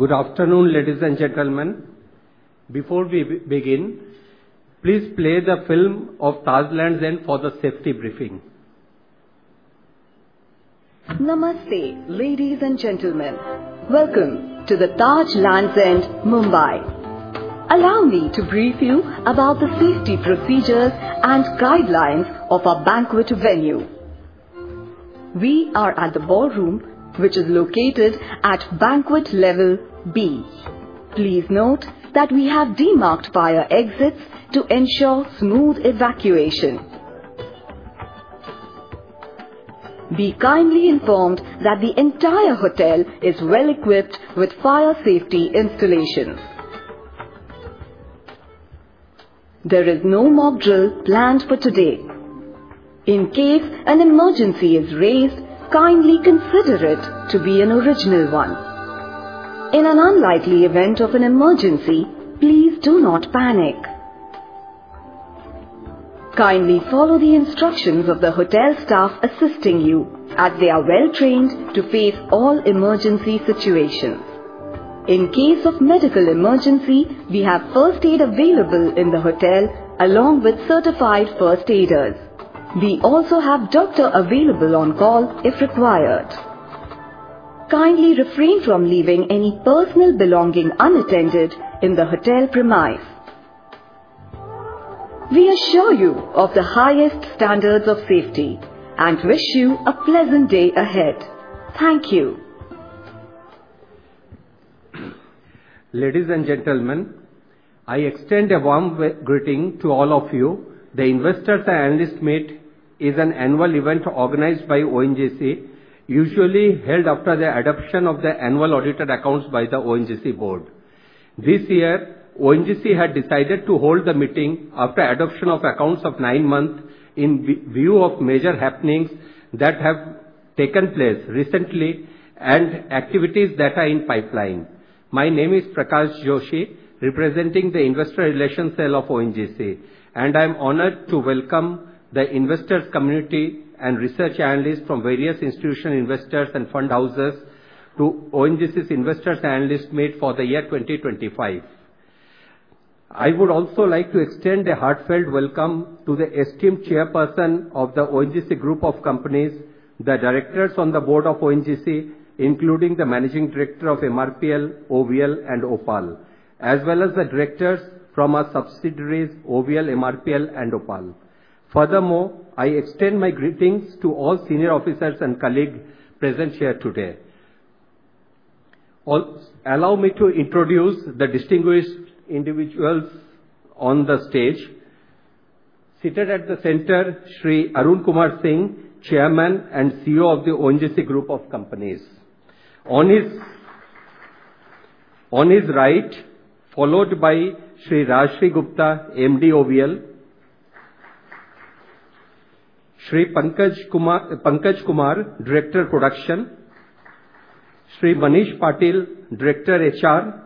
Good afternoon, ladies and gentlemen. Before we begin, please play the film of Taj Lands End for the safety briefing. Namaste, ladies and gentlemen. Welcome to the Taj Lands End, Mumbai. Allow me to brief you about the safety procedures and guidelines of our banquet venue. We are at the ballroom, which is located at banquet level B. Please note that we have demarcated fire exits to ensure smooth evacuation. Be kindly informed that the entire hotel is well-equipped with fire safety installations. There is no mock drill planned for today. In case an emergency is raised, kindly consider it to be an original one. In an unlikely event of an emergency, please do not panic. Kindly follow the instructions of the hotel staff assisting you, as they are well-trained to face all emergency situations. In case of medical emergency, we have first aid available in the hotel, along with certified first aiders. We also have doctors available on call if required. Kindly refrain from leaving any personal belongings unattended in the hotel premises. We assure you of the highest standards of safety and wish you a pleasant day ahead. Thank you. Ladies` and gentlemen, I extend a warm greeting to all of you. The Investors' Analyst Meet is an annual event organized by ONGC, usually held after the adoption of the annual audited accounts by the ONGC board. This year, ONGC had decided to hold the meeting after the adoption of accounts of nine months in view of major happenings that have taken place recently and activities that are in pipeline. My name is Prakash Joshi, representing the Investor Relations Cell of ONGC, and I am honored to welcome the investors' community and research analysts from various institutional investors and fund houses to ONGC's Investors' Analyst Meet for the year 2025. I would also like to extend a heartfelt welcome to the esteemed chairperson of the ONGC Group of Companies, the directors on the board of ONGC, including the managing director of MRPL, OVL, and OPaL, as well as the directors from our subsidiaries, OVL, MRPL, and OPaL. Furthermore, I extend my greetings to all senior officers and colleagues present here today. Allow me to introduce the distinguished individuals on the stage. Seated at the center, Shri Arun Kumar Singh, Chairman and CEO of the ONGC Group of Companies. On his right, followed by Shri Rajarshi Gupta, MD, OVL; Shri Pankaj Kumar, Director Production; Shri Manish Patil, Director HR;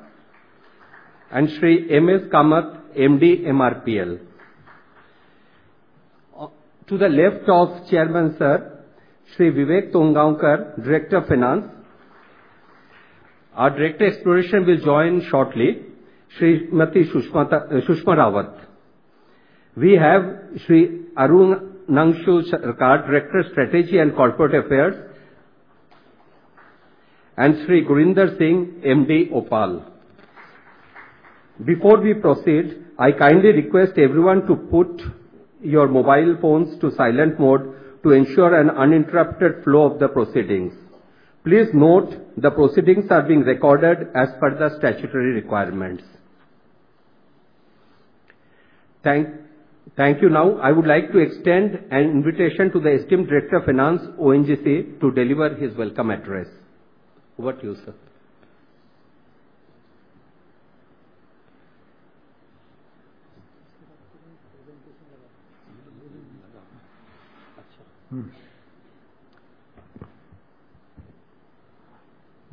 and Shri M. S. Kamath, MD, MRPL. To the left of Chairman Sir, Shri Vivek Tongaonkar, Director of Finance. Our Director of Exploration will join shortly, Shri Sushma Rawat. We have Shri Arunangshu Sarkar, Director of Strategy and Corporate Affairs, and Shri Gurinder Singh, MD, OPaL. Before we proceed, I kindly request everyone to put your mobile phones to silent mode to ensure an uninterrupted flow of the proceedings. Please note the proceedings are being recorded as per the statutory requirements. Thank you. Now, I would like to extend an invitation to the esteemed Director of Finance, ONGC, to deliver his welcome address. Over to you, sir.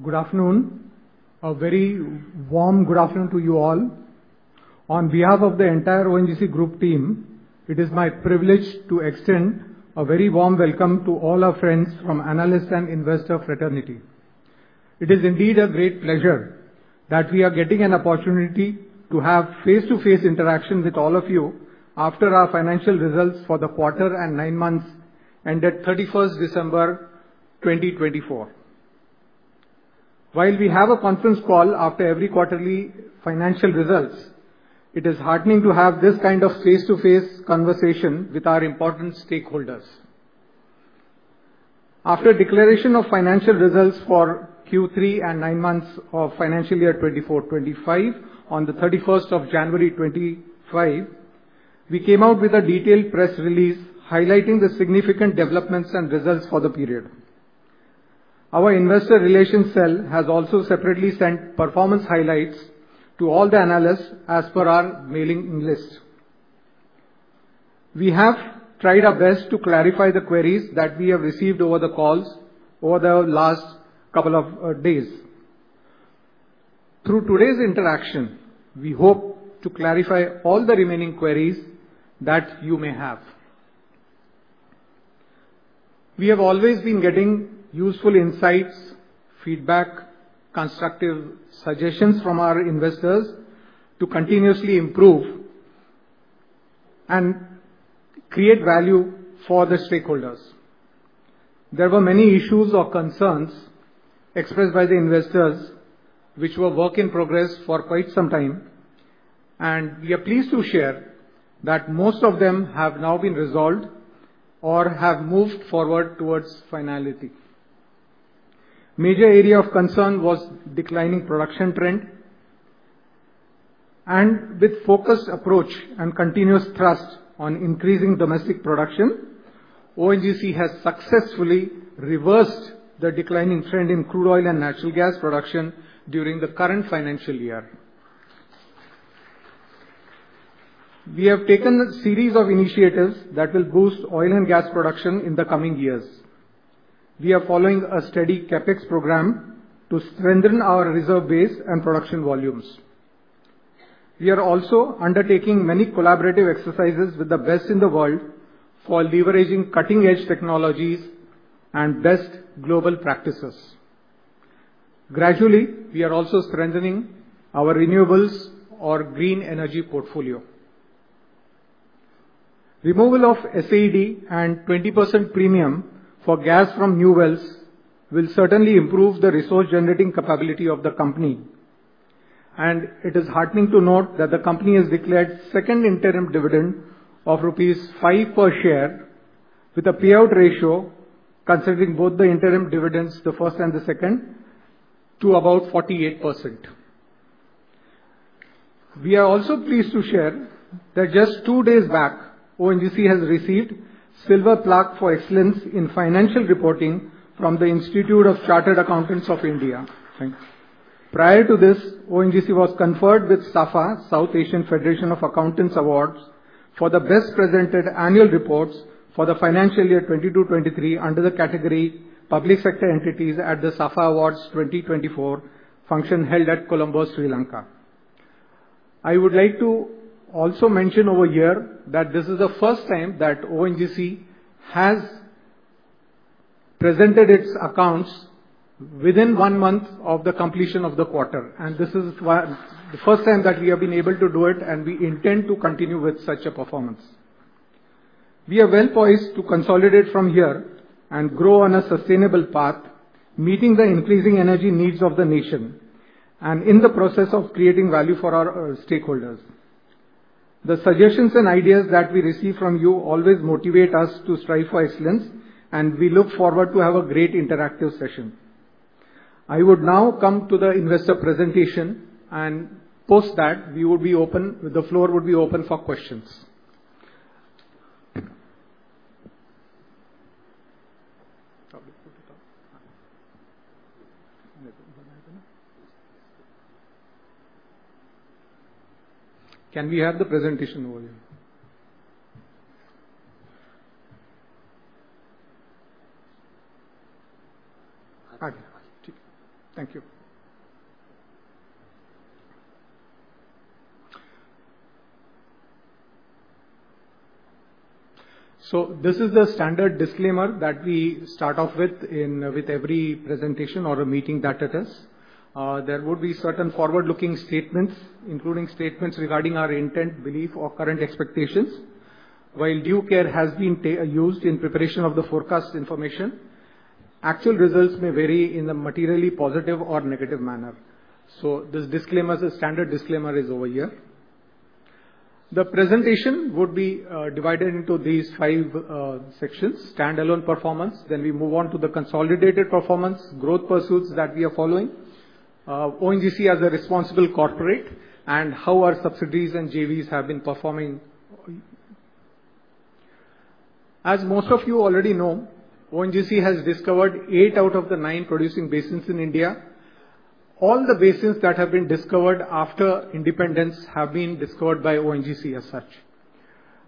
Good afternoon. A very warm good afternoon to you all. On behalf of the entire ONGC Group Team, it is my privilege to extend a very warm welcome to all our friends from analysts and investors fraternity. It is indeed a great pleasure that we are getting an opportunity to have face-to-face interaction with all of you after our financial results for the quarter and nine months ended 31st December 2024. While we have a conference call after every quarterly financial results, it is heartening to have this kind of face-to-face conversation with our important stakeholders. After declaration of financial results for Q3 and nine months of financial year 2024-2025 on the 31st of January 2025, we came out with a detailed press release highlighting the significant developments and results for the period. Our Investor Relations Cell has also separately sent performance highlights to all the analysts as per our mailing list. We have tried our best to clarify the queries that we have received over the calls over the last couple of days. Through today's interaction, we hope to clarify all the remaining queries that you may have. We have always been getting useful insights, feedback, constructive suggestions from our investors to continuously improve and create value for the stakeholders. There were many issues or concerns expressed by the investors, which were work in progress for quite some time, and we are pleased to share that most of them have now been resolved or have moved forward towards finality. Major area of concern was declining production trend, and with a focused approach and continuous thrust on increasing domestic production, ONGC has successfully reversed the declining trend in crude oil and natural gas production during the current financial year. We have taken a series of initiatives that will boost oil and gas production in the coming years. We are following a steady CapEx program to strengthen our reserve base and production volumes. We are also undertaking many collaborative exercises with the best in the world for leveraging cutting-edge technologies and best global practices. Gradually, we are also strengthening our renewables or green energy portfolio. Removal of SAED and 20% premium for gas from new wells will certainly improve the resource-generating capability of the company, and it is heartening to note that the company has declared a second interim dividend of Rs. 5 per share, with a payout ratio considering both the interim dividends, the first and the second, to about 48%. We are also pleased to share that just two days back, ONGC has received a Silver Plaque for Excellence in Financial Reporting from the Institute of Chartered Accountants of India. Prior to this, ONGC was conferred with SAFA, South Asian Federation of Accountants Awards, for the best-presented annual reports for the financial year 2022-2023 under the category Public Sector Entities at the SAFA Awards 2024 function held at Colombo, Sri Lanka. I would like to also mention over here that this is the first time that ONGC has presented its accounts within one month of the completion of the quarter, and this is the first time that we have been able to do it, and we intend to continue with such a performance. We are well poised to consolidate from here and grow on a sustainable path, meeting the increasing energy needs of the nation and in the process of creating value for our stakeholders. The suggestions and ideas that we receive from you always motivate us to strive for excellence, and we look forward to having a great interactive session. I would now come to the investor presentation and after that we would be open; the floor would be open for questions. Can we have the presentation over here? Thank you. So this is the standard disclaimer that we start off with in every presentation or a meeting that we attend. There would be certain forward-looking statements, including statements regarding our intent, belief, or current expectations. While due care has been used in preparation of the forecast information, actual results may vary in a materially positive or negative manner. This disclaimer, the standard disclaimer, is over here. The presentation would be divided into these five sections: standalone performance, then we move on to the consolidated performance, growth pursuits that we are following, ONGC as a responsible corporate, and how our subsidiaries and JVs have been performing. As most of you already know, ONGC has discovered eight out of the nine producing basins in India. All the basins that have been discovered after independence have been discovered by ONGC as such.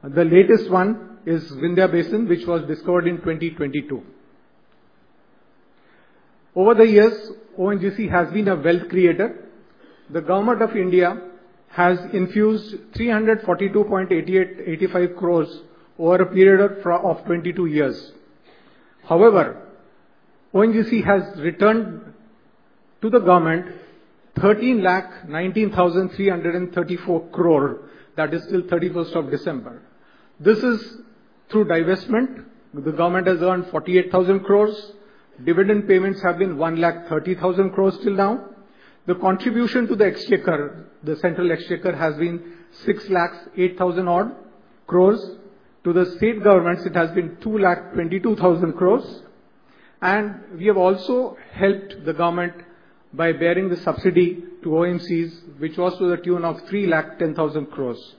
The latest one is Vindhyan Basin, which was discovered in 2022. Over the years, ONGC has been a wealth creator. The government of India has infused 342.85 crores over a period of 22 years. However, ONGC has returned to the government 1,319,334 crores, that is till 31st of December. This is through divestment. The government has earned 48,000 crores. Dividend payments have been 130,000 crores till now. The contribution to the central exchequer has been 6,008,000 crores. To the state governments, it has been 222,000 crores. We have also helped the government by bearing the subsidy to OMCs, which was to the tune of 310,000 crores.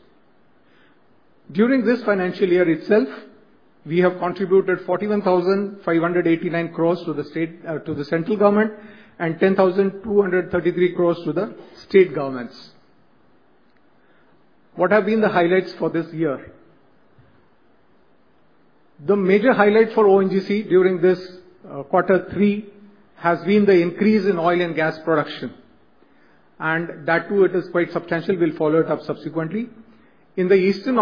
During this financial year itself, we have contributed 41,589 crores to the central government and 10,233 crores to the state governments. What have been the highlights for this year? The major highlight for ONGC during this quarter three has been the increase in oil and gas production. That too is quite substantial. We'll follow it up subsequently. In the eastern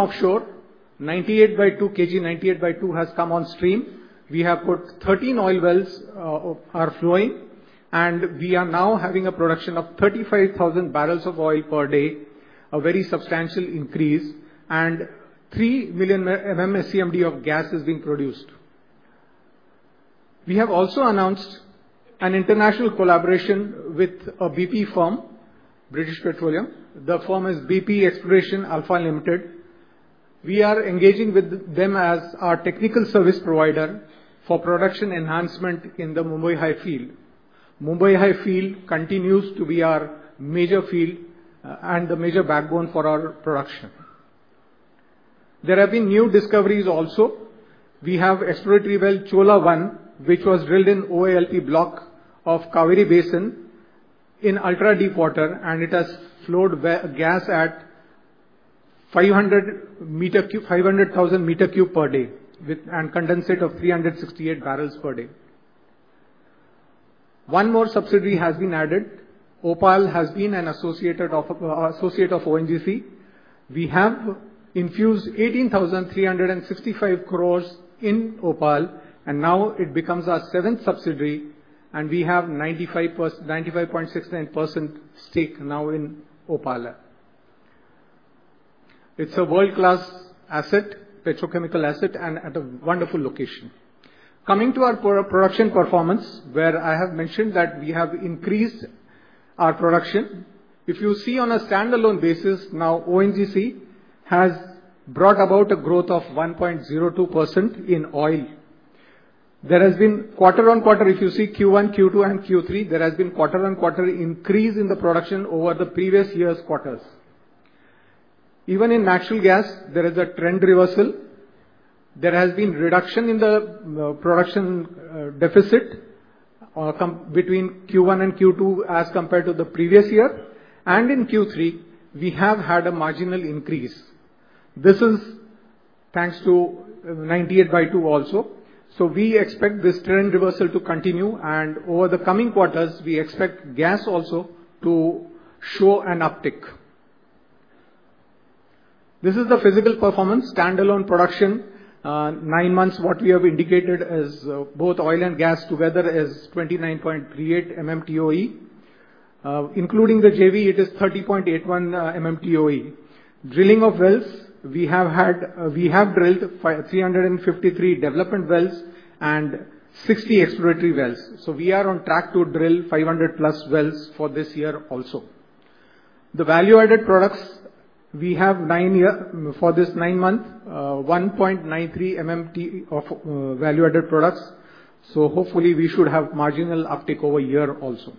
offshore, KG-DWN-98/2, KG-DWN-98/2 has come on stream. We have put 13 oil wells are flowing, and we are now having a production of 35,000 barrels of oil per day, a very substantial increase, and 3 million MMSCMD of gas is being produced. We have also announced an international collaboration with a BP firm, British Petroleum. The firm is BP Exploration (Alpha) Limited. We are engaging with them as our technical service provider for production enhancement in the Mumbai High field. Mumbai High field continues to be our major field and the major backbone for our production. There have been new discoveries also. We have exploratory well Chola-1, which was drilled in OALP block of Cauvery Basin in ultra-deepwater, and it has flowed gas at 500,000 cubic meters per day and condensate of 368 barrels per day. One more subsidiary has been added. OPaL has been an associate of ONGC. We have infused 18,365 crores in OPaL, and now it becomes our seventh subsidiary, and we have 95.69% stake now in OPaL. It's a world-class asset, petrochemical asset, and at a wonderful location. Coming to our production performance, where I have mentioned that we have increased our production, if you see on a standalone basis now, ONGC has brought about a growth of 1.02% in oil. There has been quarter on quarter, if you see Q1, Q2, and Q3, there has been quarter on quarter increase in the production over the previous year's quarters. Even in natural gas, there is a trend reversal. There has been reduction in the production deficit between Q1 and Q2 as compared to the previous year, and in Q3, we have had a marginal increase. This is thanks to 98/2 also, so we expect this trend reversal to continue, and over the coming quarters, we expect gas also to show an uptick. This is the physical performance. Standalone production nine months, what we have indicated as both oil and gas together, is 29.38 MMTOE. Including the JV, it is 30.81 MMTOE. Drilling of wells, we have drilled 353 development wells and 60 exploratory wells. So we are on track to drill 500 plus wells for this year also. The value-added products, we have for this nine months, 1.93 MMT of value-added products. So hopefully, we should have marginal uptick over year also.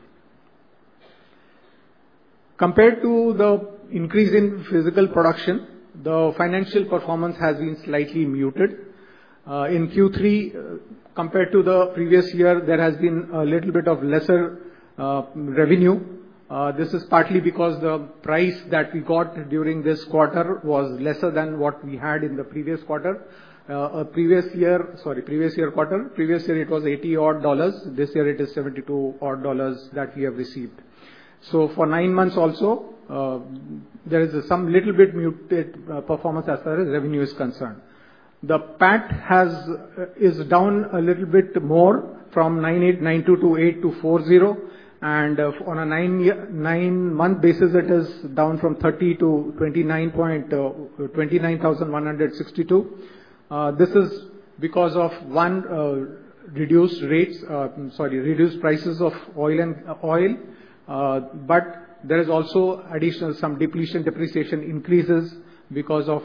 Compared to the increase in physical production, the financial performance has been slightly muted. In Q3, compared to the previous year, there has been a little bit of lesser revenue. This is partly because the price that we got during this quarter was lesser than what we had in the previous quarter. Sorry, previous year quarter. Previous year it was $80-odd. This year it is $72-odd that we have received. So for nine months also, there is some little bit muted performance as far as revenue is concerned. The PAT is down a little bit more from 9,284 to 8,240, and on a nine-month basis, it is down from 30,029 to 29,162. This is because of reduced rates, sorry, reduced prices of oil and gas, but there is also additional some depletion, depreciation increases because of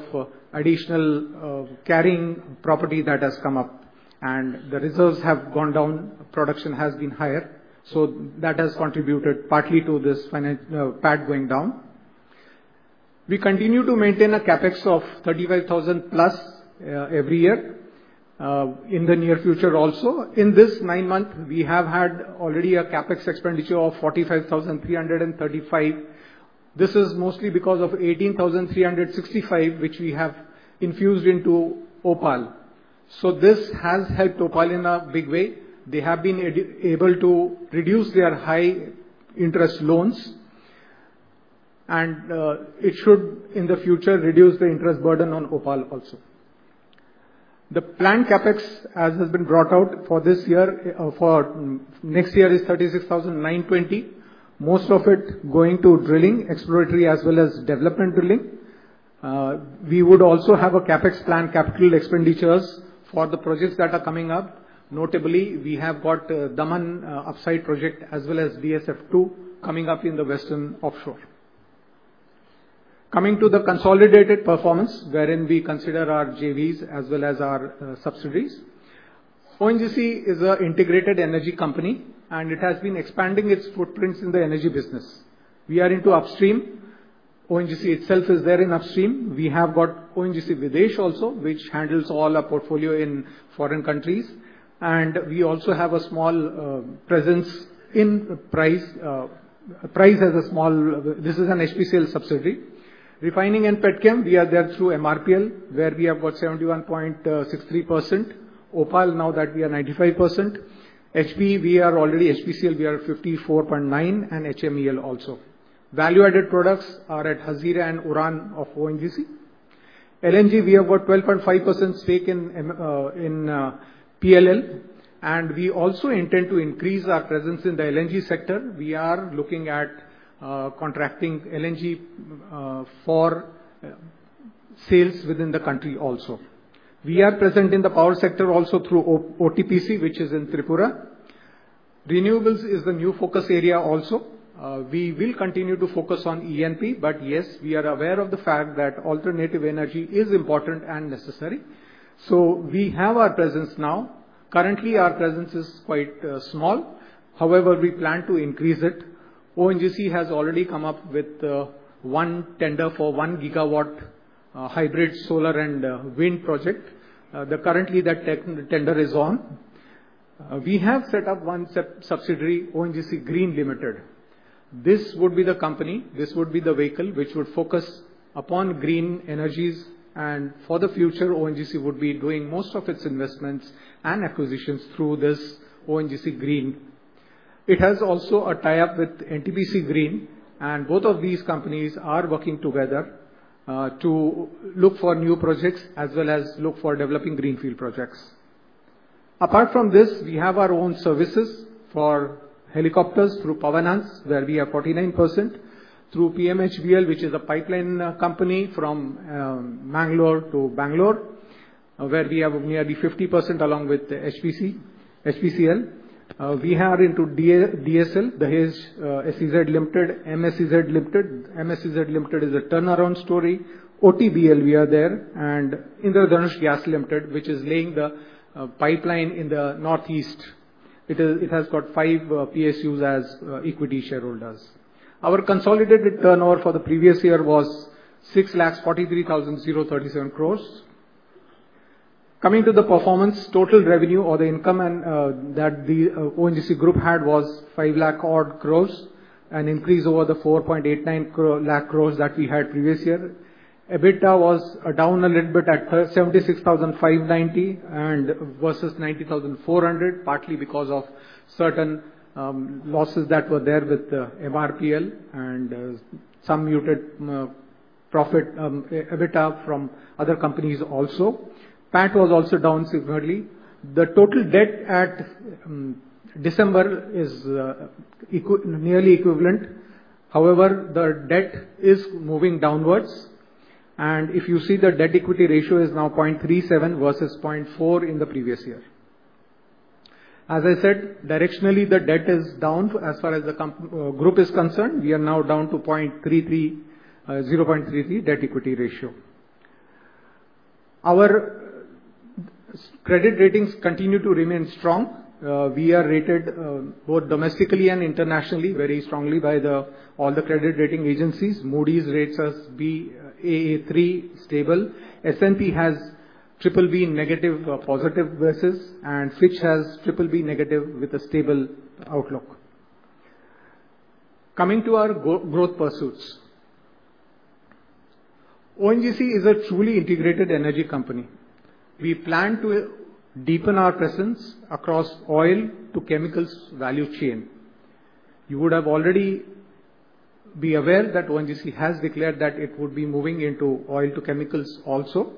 additional carrying property that has come up, and the reserves have gone down, production has been higher. So that has contributed partly to this PAT going down. We continue to maintain a CapEx of 35,000 plus every year in the near future also. In this nine-month, we have had already a CapEx expenditure of 45,335. This is mostly because of 18,365, which we have infused into OPaL. So this has helped OPaL in a big way. They have been able to reduce their high-interest loans, and it should in the future reduce the interest burden on OPaL also. The planned CapEx, as has been brought out for this year, for next year is 36,920, most of it going to drilling, exploratory as well as development drilling. We would also have a CapEx planned capital expenditures for the projects that are coming up. Notably, we have got Daman upside project as well as DSF2 coming up in the western offshore. Coming to the consolidated performance, wherein we consider our JVs as well as our subsidiaries. ONGC is an integrated energy company, and it has been expanding its footprints in the energy business. We are into upstream. ONGC itself is there in upstream. We have got ONGC Videsh also, which handles all our portfolio in foreign countries, and we also have a small presence in refining as a small, this is an HPCL subsidiary. Refining and Petchem, we are there through MRPL, where we have got 71.63%. OPaL, now that we are 95%. HP, we are already HPCL, we are 54.9%, and HMEL also. Value-added products are at Hazira and Uran of ONGC. LNG, we have got 12.5% stake in PLL, and we also intend to increase our presence in the LNG sector. We are looking at contracting LNG for sales within the country also. We are present in the power sector also through OTPC, which is in Tripura. Renewables is the new focus area also. We will continue to focus on E&P, but yes, we are aware of the fact that alternative energy is important and necessary. So we have our presence now. Currently, our presence is quite small. However, we plan to increase it. ONGC has already come up with one tender for one gigawatt hybrid solar and wind project. Currently, that tender is on. We have set up one subsidiary, ONGC Green Limited. This would be the company, this would be the vehicle which would focus upon green energies and for the future, ONGC would be doing most of its investments and acquisitions through this ONGC Green. It has also a tie-up with NTPC Green, and both of these companies are working together to look for new projects as well as look for developing greenfield projects. Apart from this, we have our own services for helicopters through Pawan Hans, where we have 49%, through PMHBL, which is a pipeline company from Mangalore to Bangalore, where we have nearly 50% along with HPCL. We are into DSL, Dahej SEZ Limited, MSEZ Limited. MSEZ Limited is a turnaround story. OTBL, we are there, and Indradhanush Gas Limited, which is laying the pipeline in the northeast. It has got five PSUs as equity shareholders. Our consolidated turnover for the previous year was 6,43,037 crores. Coming to the performance, total revenue or the income that the ONGC Group had was Rs. 5 lakh odd crores and increased over the Rs. 4.89 lakh crores that we had previous year. EBITDA was down a little bit at 76,590 versus 90,400, partly because of certain losses that were there with MRPL and some muted profit EBITDA from other companies also. PAT was also down significantly. The total debt at December is nearly equivalent. However, the debt is moving downwards, and if you see the debt-equity ratio is now 0.37 versus 0.4 in the previous year. As I said, directionally, the debt is down as far as the group is concerned. We are now down to 0.33, 0.33 debt-equity ratio. Our credit ratings continue to remain strong. We are rated both domestically and internationally very strongly by all the credit rating agencies. Moody's rates us Baa3 stable. S&P has triple B negative positive versus, and Fitch has triple B negative with a stable outlook. Coming to our growth pursuits, ONGC is a truly integrated energy company. We plan to deepen our presence across oil to chemicals value chain. You would have already been aware that ONGC has declared that it would be moving into oil to chemicals also.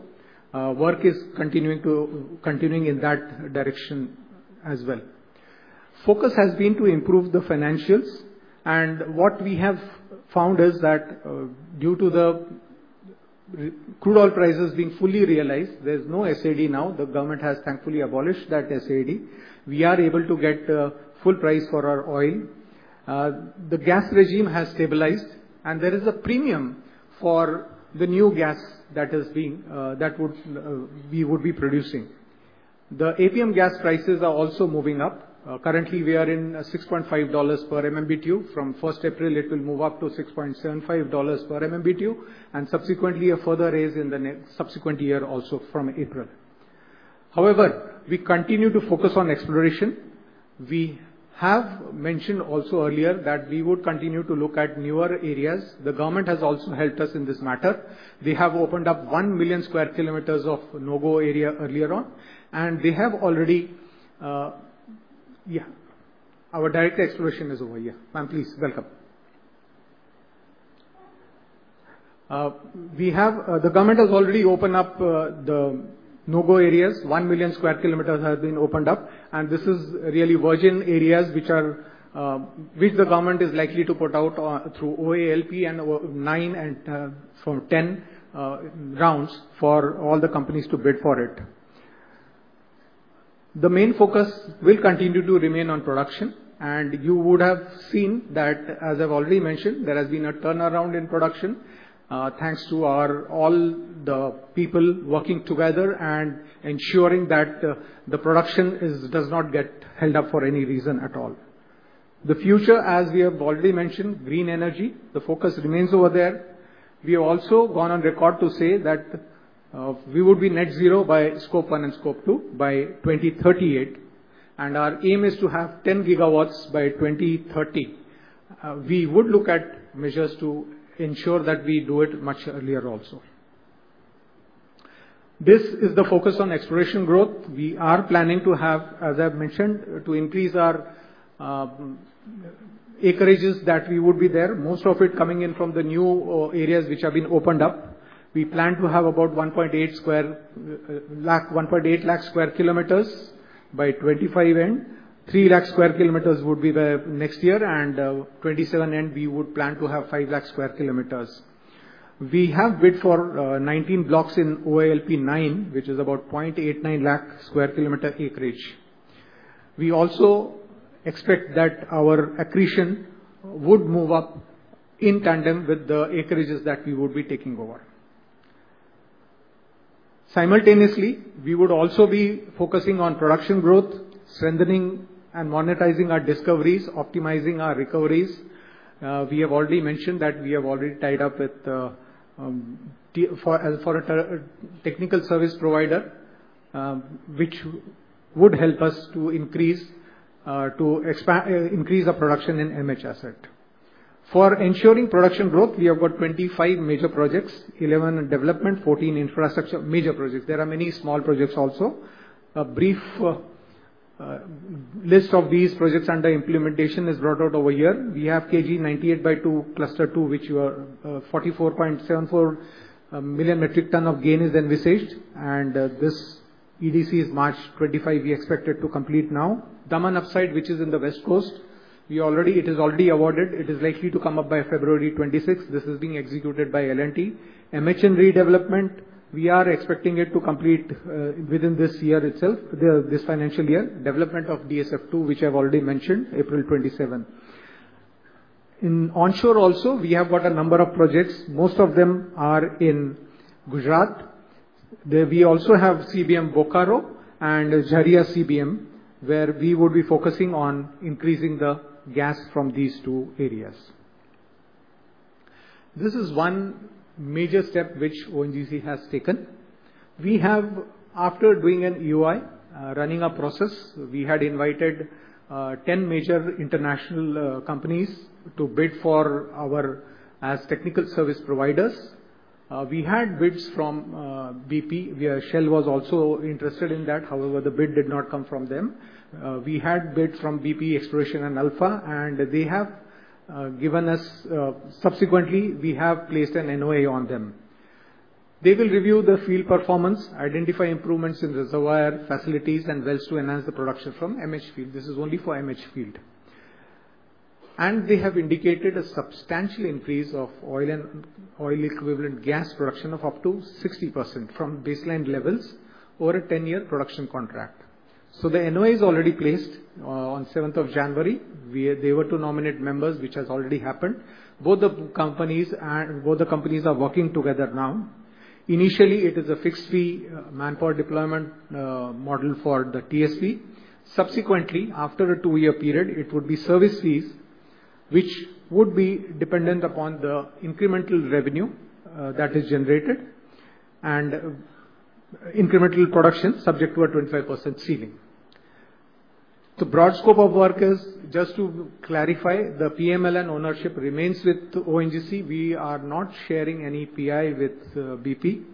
Work is continuing in that direction as well. Focus has been to improve the financials, and what we have found is that due to the crude oil prices being fully realized, there's no SAED now. The government has thankfully abolished that SAED. We are able to get full price for our oil. The gas regime has stabilized, and there is a premium for the new gas that we would be producing. The APM gas prices are also moving up. Currently, we are in $6.5 per MMBTU. From 1st April, it will move up to $6.75 per MMBTU and subsequently a further raise in the subsequent year also from April. However, we continue to focus on exploration. We have mentioned also earlier that we would continue to look at newer areas. The government has also helped us in this matter. They have opened up one million sq km of No-Go area earlier on, and they have already, yeah, our Direct of Exploration is over here. Ma'am, please welcome. The government has already opened up the No-Go areas. One million sq km have been opened up, and this is really virgin areas which the government is likely to put out through OALP 9 and from 10 rounds for all the company to bid for it. The main focus will continue to remain on production, and you would have seen that, as I've already mentioned, there has been a turnaround in production thanks to all the people working together and ensuring that the production does not get held up for any reason at all. The future, as we have already mentioned, green energy, the focus remains over there. We have also gone on record to say that we would be net zero by Scope 1 and Scope 2 by 2038, and our aim is to have 10 GW by 2030. We would look at measures to ensure that we do it much earlier also. This is the focus on exploration growth. We are planning to have, as I've mentioned, to increase our acreages that we would be there, most of it coming in from the new areas which have been opened up. We plan to have about 1.8 lakh, 1.8 lakh sq km by 2025. 3 lakh sq km would be there next year, and 2027 we would plan to have 5 lakh sq km. We have bid for 19 blocks in OALP 9, which is about 0.89 lakh sq km acreage. We also expect that our accretion would move up in tandem with the acreages that we would be taking over. Simultaneously, we would also be focusing on production growth, strengthening and monetizing our discoveries, optimizing our recoveries. We have already mentioned that we have already tied up with for a technical service provider, which would help us to increase our production in MH Asset. For ensuring production growth, we have got 25 major projects, 11 development, 14 infrastructure major projects. There are many small projects also. A brief list of these projects under implementation is brought out over here. We have KG-98/2 cluster 2, which has 44.74 million metric ton of gas envisaged, and this EDC is March 2025. We expect it to complete now. Daman Upside, which is in the west coast, it is already awarded. It is likely to come up by February 2026. This is being executed by L&T. MHN redevelopment, we are expecting it to complete within this year itself, this financial year. Development of DSF2, which I've already mentioned, April 2027. In onshore also, we have got a number of projects. Most of them are in Gujarat. We also have CBM Bokaro and Jharia CBM, where we would be focusing on increasing the gas from these two areas. This is one major step which ONGC has taken. We have, after doing an EOI, running a process, we had invited 10 major international companies to bid for us as technical service providers. We had bids from BP. Shell was also interested in that. However, the bid did not come from them. We had a bid from BP Exploration (Alpha), and they have given us subsequently, we have placed an NOA on them. They will review the field performance, identify improvements in reservoir facilities and wells to enhance the production from MH field. This is only for MH field. They have indicated a substantial increase of oil and oil equivalent gas production of up to 60% from baseline levels over a 10-year production contract. The NOA is already placed on 7th of January. They were to nominate members, which has already happened. Both the companies are working together now. Initially, it is a fixed fee manpower deployment model for the TSP. Subsequently, after a two-year period, it would be service fees, which would be dependent upon the incremental revenue that is generated and incremental production subject to a 25% ceiling. The broad scope of work is just to clarify the PMLN ownership remains with ONGC. We are not sharing any PI with BP.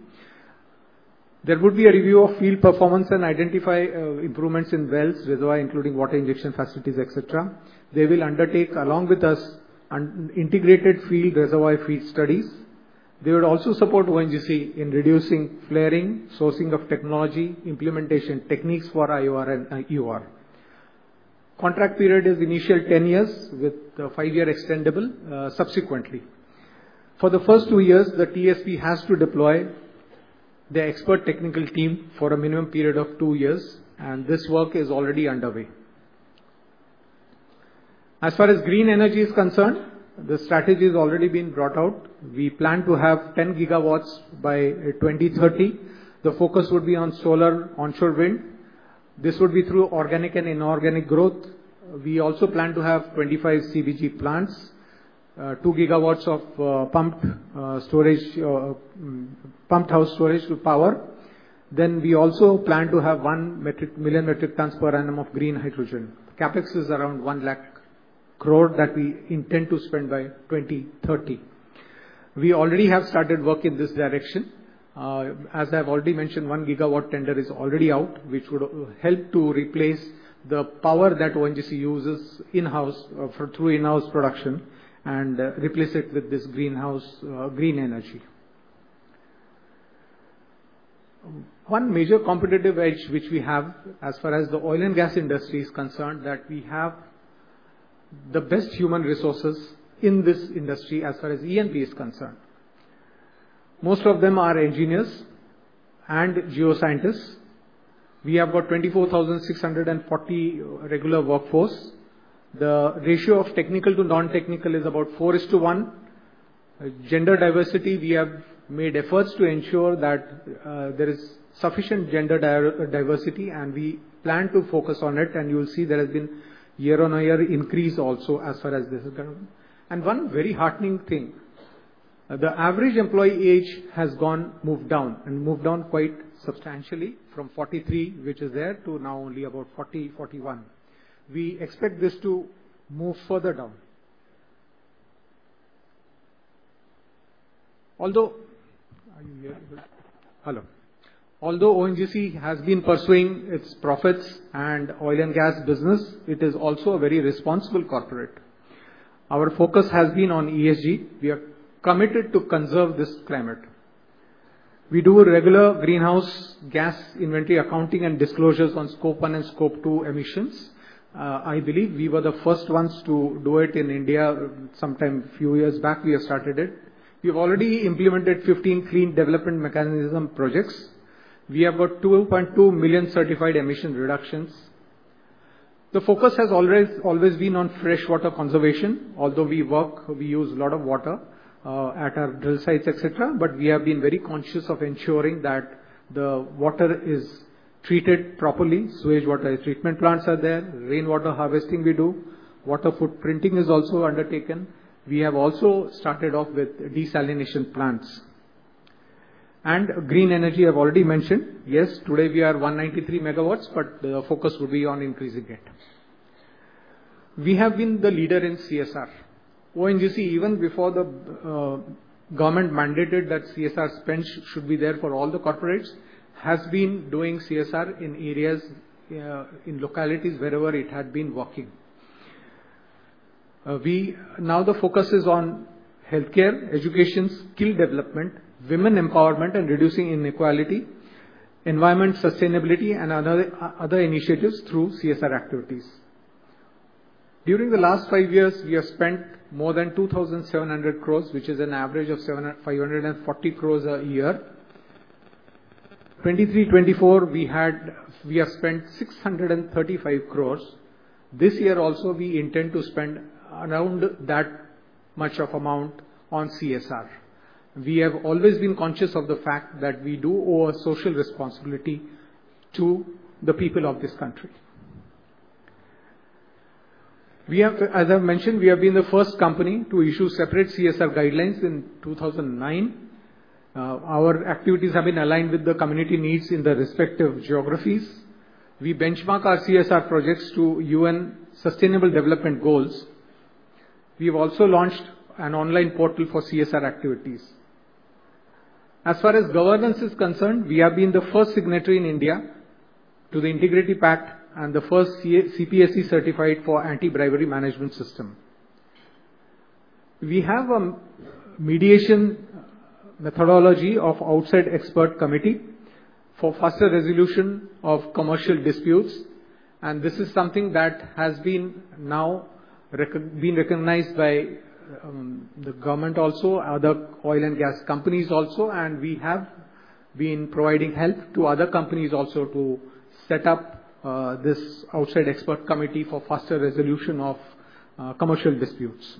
There would be a review of field performance and identify improvements in wells, reservoir, including water injection facilities, etc. They will undertake, along with us, integrated field reservoir feed studies. They would also support ONGC in reducing flaring, sourcing of technology, implementation techniques for IOR and EOR. Contract period is initial 10 years with 5-year extendable subsequently. For the first two years, the TSP has to deploy the expert technical team for a minimum period of two years, and this work is already underway. As far as green energy is concerned, the strategy has already been brought out. We plan to have 10 gigawatts by 2030. The focus would be on solar, onshore wind. This would be through organic and inorganic growth. We also plan to have 25 CBG plants, two gigawatts of pumped hydro storage hydropower. Then we also plan to have one million metric tons per annum of green hydrogen. Capex is around 1 lakh crore that we intend to spend by 2030. We already have started work in this direction. As I've already mentioned, one gigawatt tender is already out, which would help to replace the power that ONGC uses in-house through in-house production and replace it with this green energy. One major competitive edge which we have as far as the oil and gas industry is concerned is that we have the best human resources in this industry as far as ENP is concerned. Most of them are engineers and geoscientists. We have got 24,640 regular workforce. The ratio of technical to non-technical is about 4:1. Gender diversity, we have made efforts to ensure that there is sufficient gender diversity, and we plan to focus on it, and you will see there has been year-on-year increase also as far as this is going. And one very heartening thing, the average employee age has moved down and moved down quite substantially from 43, which is there, to now only about 40, 41. We expect this to move further down. Although ONGC has been pursuing its profits and oil and gas business, it is also a very responsible corporate. Our focus has been on ESG. We are committed to conserve this climate. We do regular greenhouse gas inventory accounting and disclosures on Scope 1 and Scope 2 emissions. I believe we were the first ones to do it in India sometime a few years back. We have started it. We have already implemented 15 clean development mechanism projects. We have got 2.2 million certified emission reductions. The focus has always been on freshwater conservation. Although we work, we use a lot of water at our drill sites, etc., but we have been very conscious of ensuring that the water is treated properly. Sewage water treatment plants are there. Rainwater harvesting we do. Water footprinting is also undertaken. We have also started off with desalination plants. And green energy, I've already mentioned. Yes, today we are 193 megawatts, but the focus would be on increasing it. We have been the leader in CSR. ONGC, even before the government mandated that CSR spend should be there for all the corporates, has been doing CSR in areas, in localities wherever it had been working. Now the focus is on healthcare, education, skill development, women empowerment, and reducing inequality, environmental sustainability, and other initiatives through CSR activities. During the last five years, we have spent more than 2,700 crores, which is an average of 540 crores a year. 2023-24, we have spent 635 crores. This year also, we intend to spend around that much of amount on CSR. We have always been conscious of the fact that we do owe a social responsibility to the people of this country. As I've mentioned, we have been the first company to issue separate CSR guidelines in 2009. Our activities have been aligned with the community needs in the respective geographies. We benchmark our CSR projects to UN Sustainable Development Goals. We have also launched an online portal for CSR activities. As far as governance is concerned, we have been the first signatory in India to the Integrity Pact and the first PSU certified for anti-bribery management system. We have a mediation methodology of outside expert committee for faster resolution of commercial disputes, and this is something that has been recognized by the government also, other oil and gas companies also, and we have been providing help to other companies also to set up this outside expert committee for faster resolution of commercial disputes.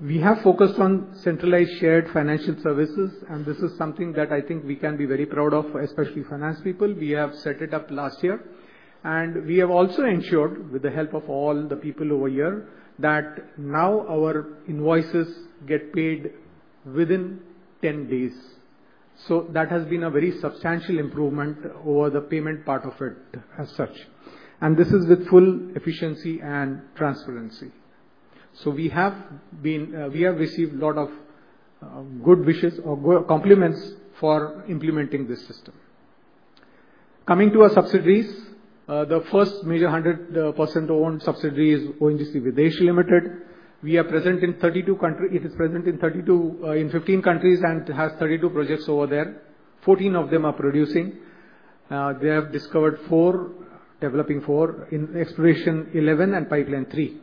We have focused on centralized shared financial services, and this is something that I think we can be very proud of, especially finance people. We have set it up last year, and we have also ensured with the help of all the people over here that now our invoices get paid within 10 days. So that has been a very substantial improvement over the payment part of it as such. And this is with full efficiency and transparency. So we have received a lot of good wishes or compliments for implementing this system. Coming to our subsidiaries, the first major 100% owned subsidiary is ONGC Videsh Limited. We are present in 15 countries and have 32 projects over there. 14 of them are producing. They have discovered 4, developing 4 in exploration 11 and pipeline 3.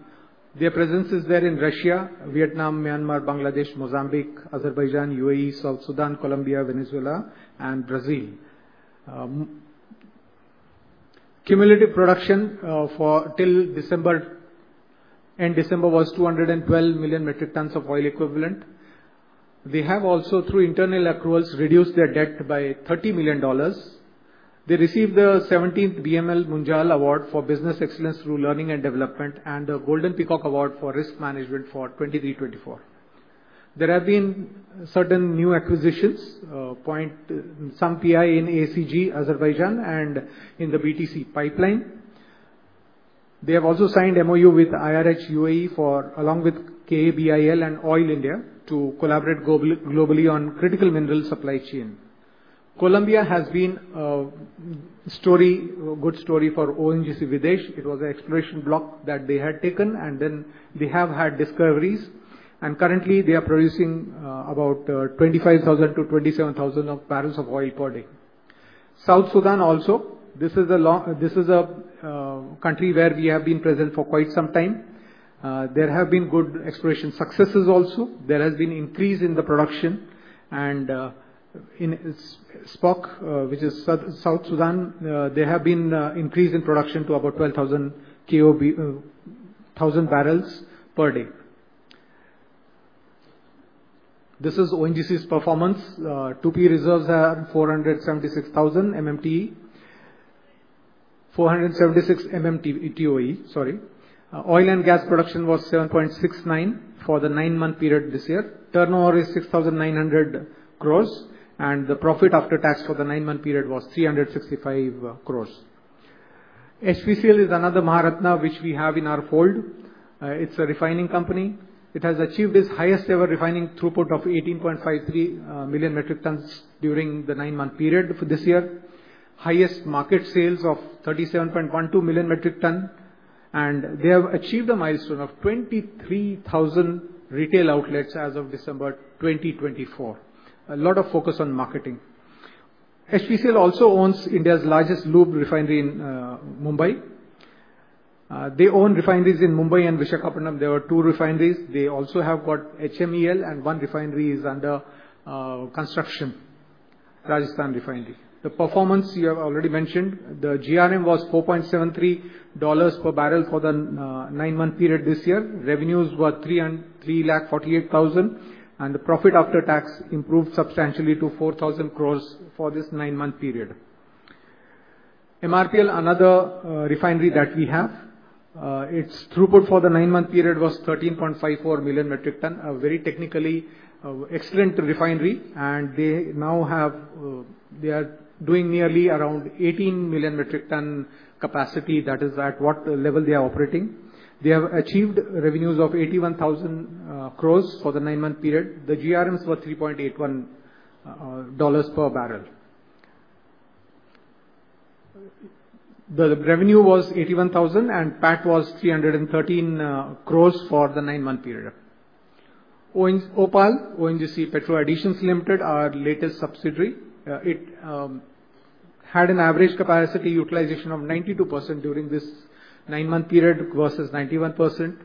Their presence is there in Russia, Vietnam, Myanmar, Bangladesh, Mozambique, Azerbaijan, UAE, South Sudan, Colombia, Venezuela, and Brazil. Cumulative production till end December was 212 million metric tons of oil equivalent. They have also, through internal accruals, reduced their debt by $30 million. They received the 17th BML Munjal Award for business excellence through learning and development and the Golden Peacock Award for risk management for 23-24. There have been certain new acquisitions, some PI in ACG, Azerbaijan, and in the BTC pipeline. They have also signed MOU with IRH, UAE, along with KABIL and Oil India to collaborate globally on critical mineral supply chain. Colombia has been a good story for ONGC Videsh. It was an exploration block that they had taken, and then they have had discoveries, and currently they are producing about 25,000-27,000 barrels of oil per day. South Sudan also, this is a country where we have been present for quite some time. There have been good exploration successes also. There has been an increase in the production, and in SPOC, which is South Sudan, there has been an increase in production to about 12,000 barrels per day. This is ONGC's performance. 2P reserves are 476,000 MMTOE. Oil and gas production was 7.69 for the 9-month period this year. Turnover is 6,900 crores, and the profit after tax for the 9-month period was 365 crores. HPCL is another Maharatna which we have in our fold. It's a refining company. It has achieved its highest-ever refining throughput of 18.53 million metric tons during the 9-month period this year. Highest market sales of 37.12 million metric tons, and they have achieved a milestone of 23,000 retail outlets as of December 2024. A lot of focus on marketing. HPCL also owns India's largest lube refinery in Mumbai. They own refineries in Mumbai and Visakhapatnam. There are two refineries. They also have got HMEL, and one refinery is under construction, Rajasthan Refinery. The performance you have already mentioned. The GRM was $4.73 per barrel for the 9-month period this year. Revenues were 3,48,000, and the profit after tax improved substantially to 4,000 crores for this 9-month period. MRPL, another refinery that we have. Its throughput for the 9-month period was 13.54 million metric ton, a very technically excellent refinery, and they are doing nearly around 18 million metric ton capacity. That is at what level they are operating. They have achieved revenues of 81,000 crores for the 9-month period. The GRMs were $3.81 per barrel. The revenue was 81,000, and PAT was 313 crores for the 9-month period. OPaL, ONGC Petro additions Limited, our latest subsidiary, had an average capacity utilization of 92% during this 9-month period versus 91%.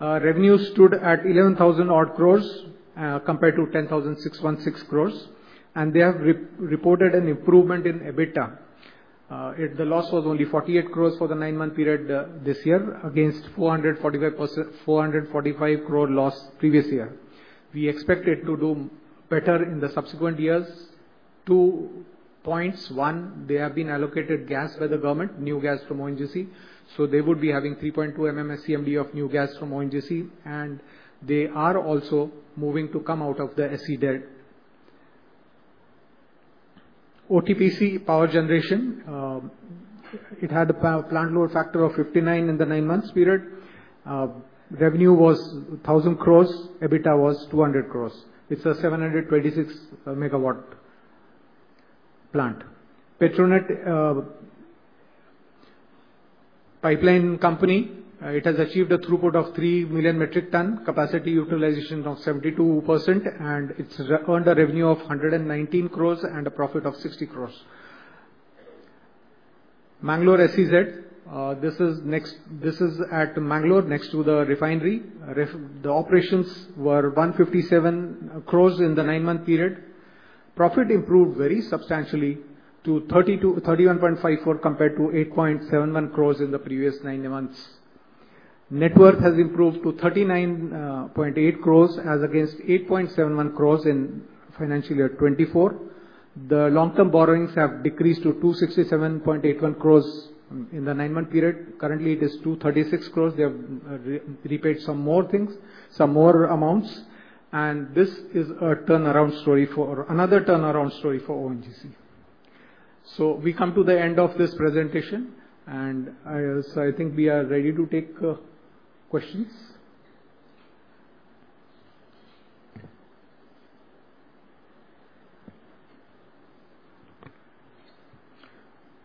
Revenues stood at 11,000 odd crores compared to 10,616 crores, and they have reported an improvement in EBITDA. The loss was only 48 crores for the 9-month period this year against 445 crore loss previous year. We expect it to do better in the subsequent years. OPaL, they have been allocated gas by the government, new gas from ONGC, so they would be having 3.2 MMSCMD of new gas from ONGC, and they are also moving to come out of the SAED. OTPC power generation, it had a plant load factor of 59% in the 9-month period. Revenue was 1,000 crores. EBITDA was 200 crores. It's a 726 megawatt plant. Petronet MHB Limited, it has achieved a throughput of 3 million metric ton, capacity utilization of 72%, and it's earned a revenue of 119 crores and a profit of 60 crores. Mangalore SEZ, this is at Mangalore next to the refinery. The operations were 157 crores in the 9-month period. Profit improved very substantially to 31.54 crores compared to 8.71 crores in the previous 9 months. Net worth has improved to 39.8 crores as against 8.71 crores in financial year 2024. The long-term borrowings have decreased to 267.81 crores in the 9-month period. Currently, it is 236 crores. They have repaid some more amounts, and this is another turnaround story for ONGC. So we come to the end of this presentation, and I think we are ready to take questions.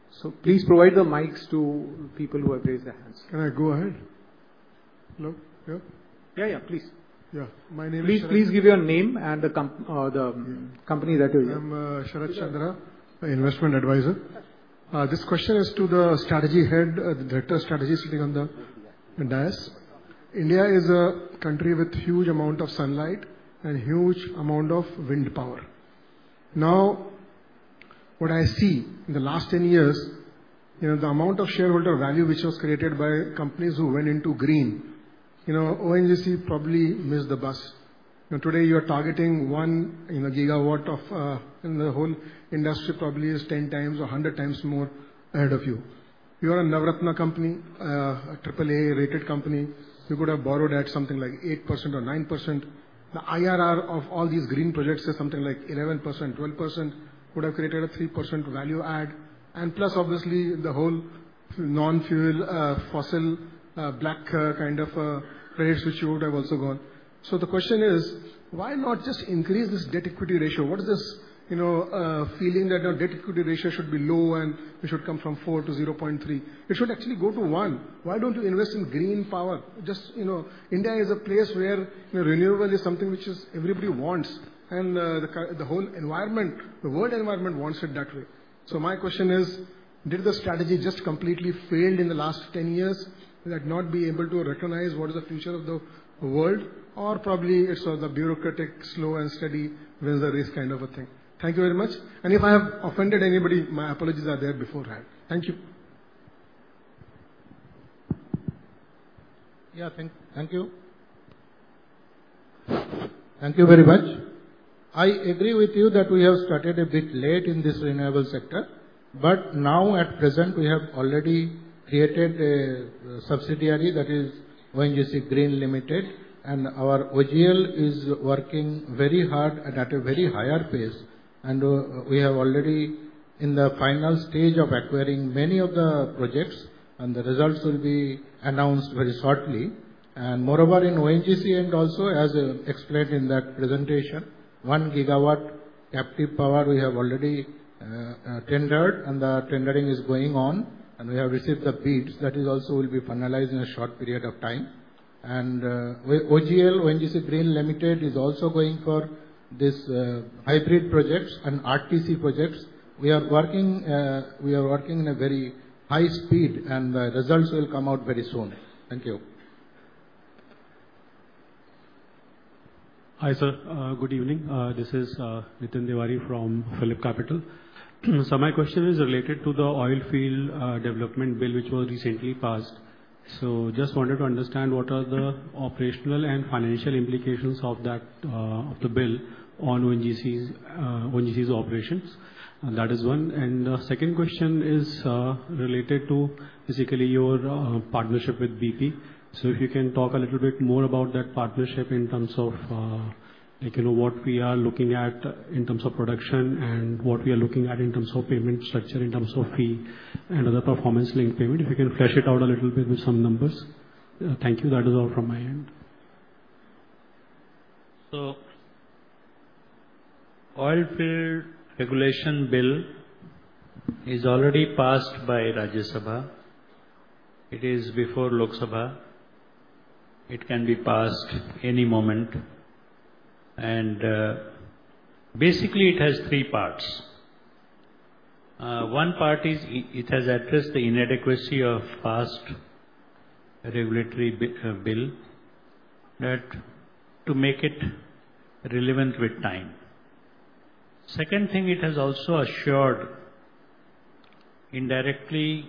So please provide the mics to people who have raised their hands. Can I go ahead? Hello? Yeah, yeah, please. Please give your name and the company that you're in. I'm Sharath Chandra, Investment Advisor. This question is to the strategy head, the director of strategy sitting on the dais. India is a country with a huge amount of sunlight and a huge amount of wind power. Now, what I see in the last 10 years, the amount of shareholder value which was created by companies who went into green, ONGC probably missed the bus. Today, you are targeting one gigawatt of the whole industry probably is 10 times or 100 times more ahead of you. You are a Navratna company, AAA rated company. You could have borrowed at something like 8% or 9%. The IRR of all these green projects is something like 11%, 12%. It would have created a 3% value add. And plus, obviously, the whole non-fuel, fossil, black kind of credits which you would have also gone. The question is, why not just increase this debt equity ratio? What is this feeling that debt equity ratio should be low and it should come from 4 to 0.3? It should actually go to 1. Why don't you invest in green power? India is a place where renewable is something which everybody wants, and the whole environment, the world environment wants it that way. My question is, did the strategy just completely fail in the last 10 years? Would that not be able to recognize what is the future of the world? Or probably it's the bureaucratic slow and steady wins the race kind of a thing. Thank you very much. If I have offended anybody, my apologies are there beforehand. Thank you. Yeah, thank you. Thank you very much. I agree with you that we have started a bit late in this renewable sector, but now at present, we have already created a subsidiary that is ONGC Green Limited, and our OGL is working very hard at a very higher pace. We have already in the final stage of acquiring many of the projects, and the results will be announced very shortly. Moreover in ONGC, and also as explained in that presentation, one gigawatt captive power we have already tendered, and the tendering is going on, and we have received the bids. That also will be finalized in a short period of time. OGL, ONGC Green Limited is also going for these hybrid projects and RTC projects. We are working in a very high speed, and the results will come out very soon. Thank you. Hi, sir. Good evening. This is Nitin Tiwari from PhillipCapital. So my question is related to the oil field development bill which was recently passed. So just wanted to understand what are the operational and financial implications of the bill on ONGC's operations. That is one. And the second question is related to basically your partnership with BP. So if you can talk a little bit more about that partnership in terms of what we are looking at in terms of production and what we are looking at in terms of payment structure, in terms of fee and other performance-linked payment. If you can flesh it out a little bit with some numbers. Thank you. That is all from my end. Oil field regulation bill is already passed by Rajya Sabha. It is before Lok Sabha. It can be passed any moment. And basically, it has three parts. One part is it has addressed the inadequacy of past regulatory bill to make it relevant with time. Second thing, it has also assured indirectly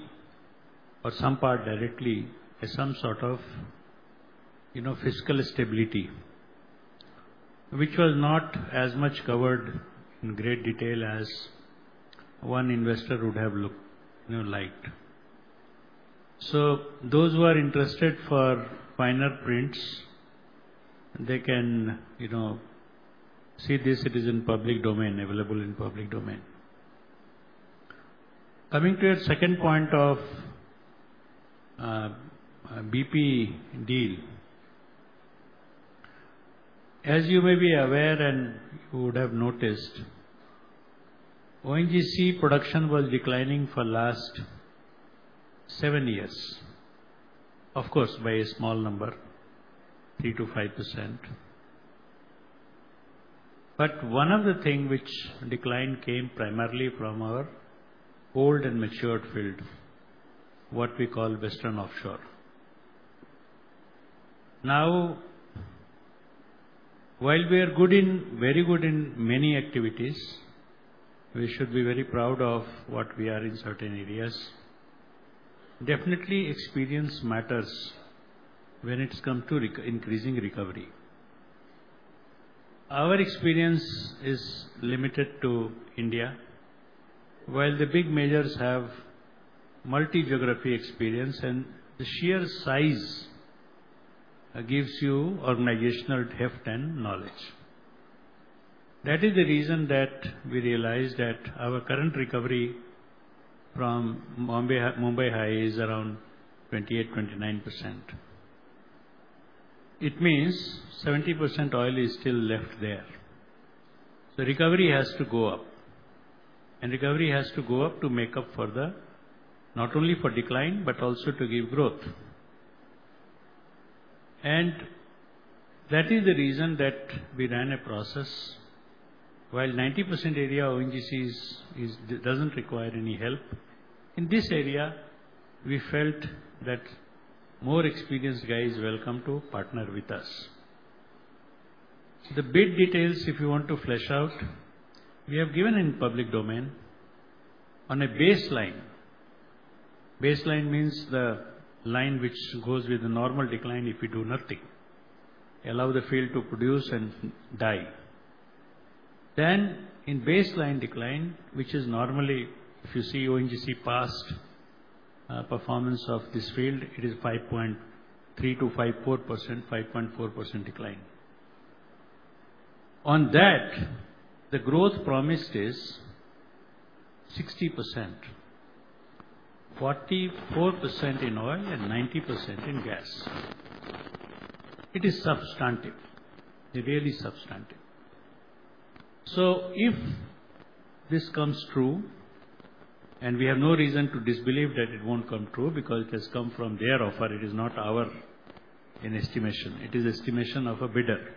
or some part directly some sort of fiscal stability, which was not as much covered in great detail as one investor would have liked. So those who are interested for finer print, they can see this. It is in public domain, available in public domain. Coming to your second point of BP deal, as you may be aware and you would have noticed, ONGC production was declining for the last seven years, of course, by a small number, 3%-5%. But one of the things which decline came primarily from our old and matured field, what we call Western Offshore. Now, while we are very good in many activities, we should be very proud of what we are in certain areas. Definitely, experience matters when it comes to increasing recovery. Our experience is limited to India, while the big majors have multi-geography experience, and the sheer size gives you organizational depth and knowledge. That is the reason that we realized that our current recovery from Mumbai High is around 28%, 29%. It means 70% oil is still left there. So recovery has to go up, and recovery has to go up to make up for the not only for decline, but also to give growth. And that is the reason that we ran a process. While 90% area of ONGC doesn't require any help, in this area, we felt that more experienced guys are welcome to partner with us. The bid details, if you want to flesh out, we have given in public domain on a baseline. Baseline means the line which goes with the normal decline if you do nothing, allow the field to produce and die. Then in baseline decline, which is normally, if you see ONGC past performance of this field, it is 5.3% to 5.4% decline. On that, the growth promised is 60%, 44% in oil and 90% in gas. It is substantive, really substantive. So if this comes true, and we have no reason to disbelieve that it won't come true because it has come from their offer, it is not our estimation. It is the estimation of a bidder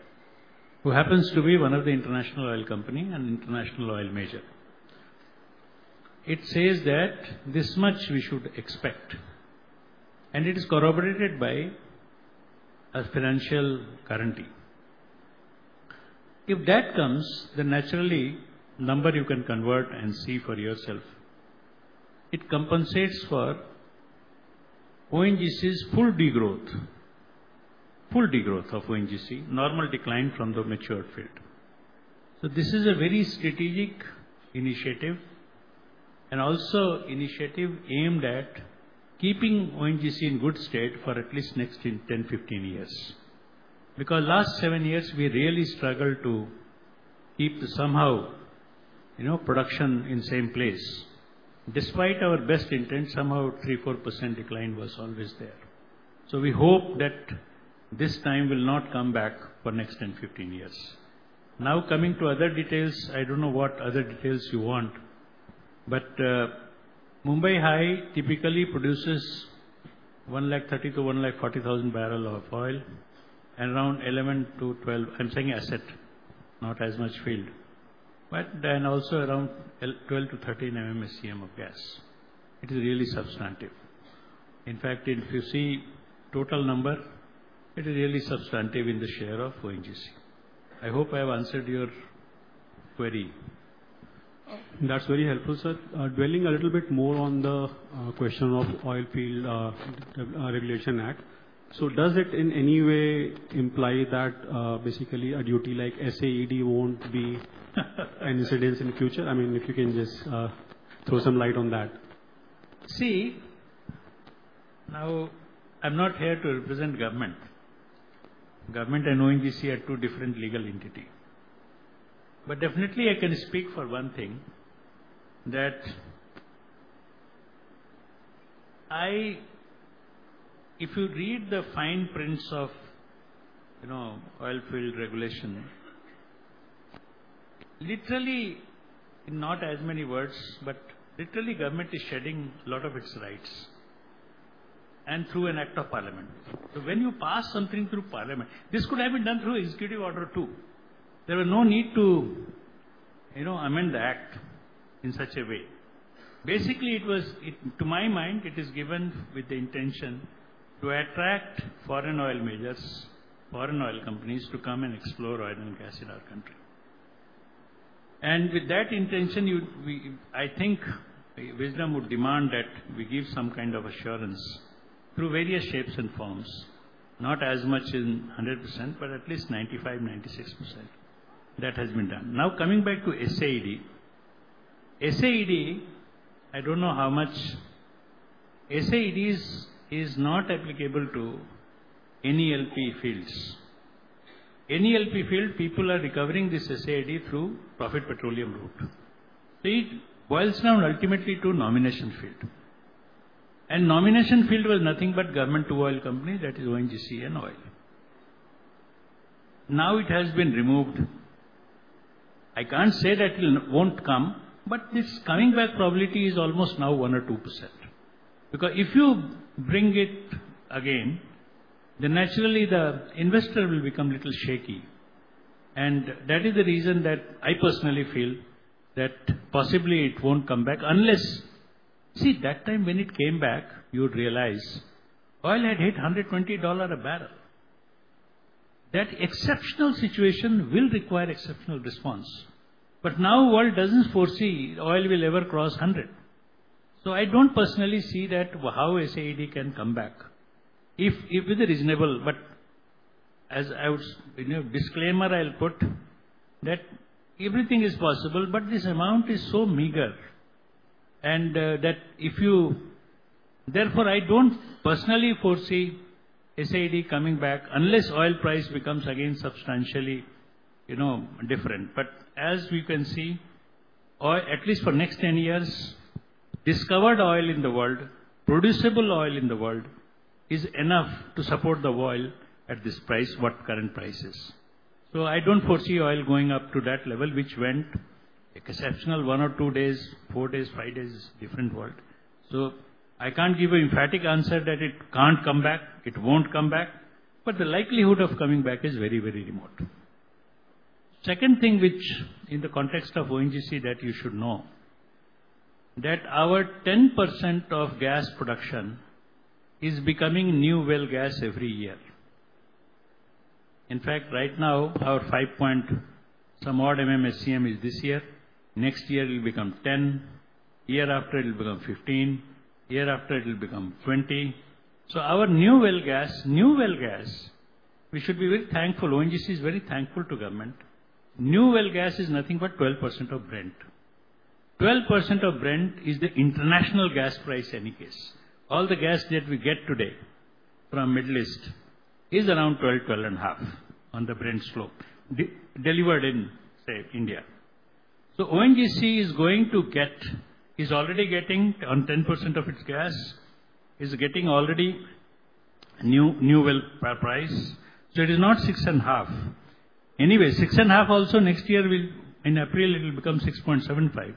who happens to be one of the international oil company and international oil major. It says that this much we should expect, and it is corroborated by a financial guarantee. If that comes, then naturally, number you can convert and see for yourself. It compensates for ONGC's full degrowth, full degrowth of ONGC, normal decline from the matured field. So this is a very strategic initiative and also initiative aimed at keeping ONGC in good state for at least next 10, 15 years. Because last seven years, we really struggled to keep somehow production in the same place. Despite our best intent, somehow 3%, 4% decline was always there. So we hope that this time will not come back for the next 10, 15 years. Now, coming to other details, I don't know what other details you want, but Mumbai High typically produces 130,000-140,000 barrels of oil and around 11,000-12,000, I'm saying asset, not as much field. And also around 12,000-13,000 MMSCM of gas. It is really substantive. In fact, if you see total number, it is really substantive in the share of ONGC. I hope I have answered your query. That's very helpful, sir. Dwelling a little bit more on the question of oil field regulation act. So does it in any way imply that basically a duty like SAED won't be an incidence in the future? I mean, if you can just throw some light on that. See, now I'm not here to represent government. Government and ONGC are two different legal entities. Definitely, I can speak for one thing that if you read the fine prints of oil field regulation, literally in not as many words, but literally government is shedding a lot of its rights and through an act of parliament. When you pass something through parliament, this could have been done through executive order too. There was no need to amend the act in such a way. Basically, to my mind, it is given with the intention to attract foreign oil majors, foreign oil companies to come and explore oil and gas in our country. With that intention, I think wisdom would demand that we give some kind of assurance through various shapes and forms, not as much in 100%, but at least 95%, 96%. That has been done. Now, coming back to SAED, SAED, I don't know how much SAED is not applicable to NELP fields. NELP field, people are recovering this SAED through profit petroleum route, so it boils down ultimately to nomination field, and nomination field was nothing but government to oil company that is ONGC and OIL. Now it has been removed. I can't say that it won't come, but this coming back probability is almost now 1% or 2%, because if you bring it again, then naturally the investor will become a little shaky, and that is the reason that I personally feel that possibly it won't come back unless, see, that time when it came back, you would realize oil had hit $120 a barrel. That exceptional situation will require exceptional response, but now the world doesn't foresee oil will ever cross $100. So, I don't personally see that how SAED can come back with a reasonable, but as a disclaimer, I'll put that everything is possible, but this amount is so meager. And that if you, therefore, I don't personally foresee SAED coming back unless oil price becomes again substantially different. But as we can see, at least for the next 10 years, discovered oil in the world, producible oil in the world is enough to support the oil at this price, what current price is. So, I don't foresee oil going up to that level, which went exceptional one or two days, four days, five days, different world. So, I can't give an emphatic answer that it can't come back, it won't come back, but the likelihood of coming back is very, very remote. Second thing which in the context of ONGC that you should know, that our 10% of gas production is becoming new well gas every year. In fact, right now, our 5% some odd MMSCMD is this year. Next year, it will become 10%. Year after, it will become 15%. Year after, it will become 20%. So our new well gas, new well gas, we should be very thankful. ONGC is very thankful to government. New well gas is nothing but 12% of Brent. 12% of Brent is the international gas price any case. All the gas that we get today from the Middle East is around 12.5% on the Brent slope delivered in, say, India. So ONGC is going to get, is already getting on 10% of its gas, is getting already new well price. So it is not 6.5%. Anyway, $6.5 also next year will, in April, it will become $6.75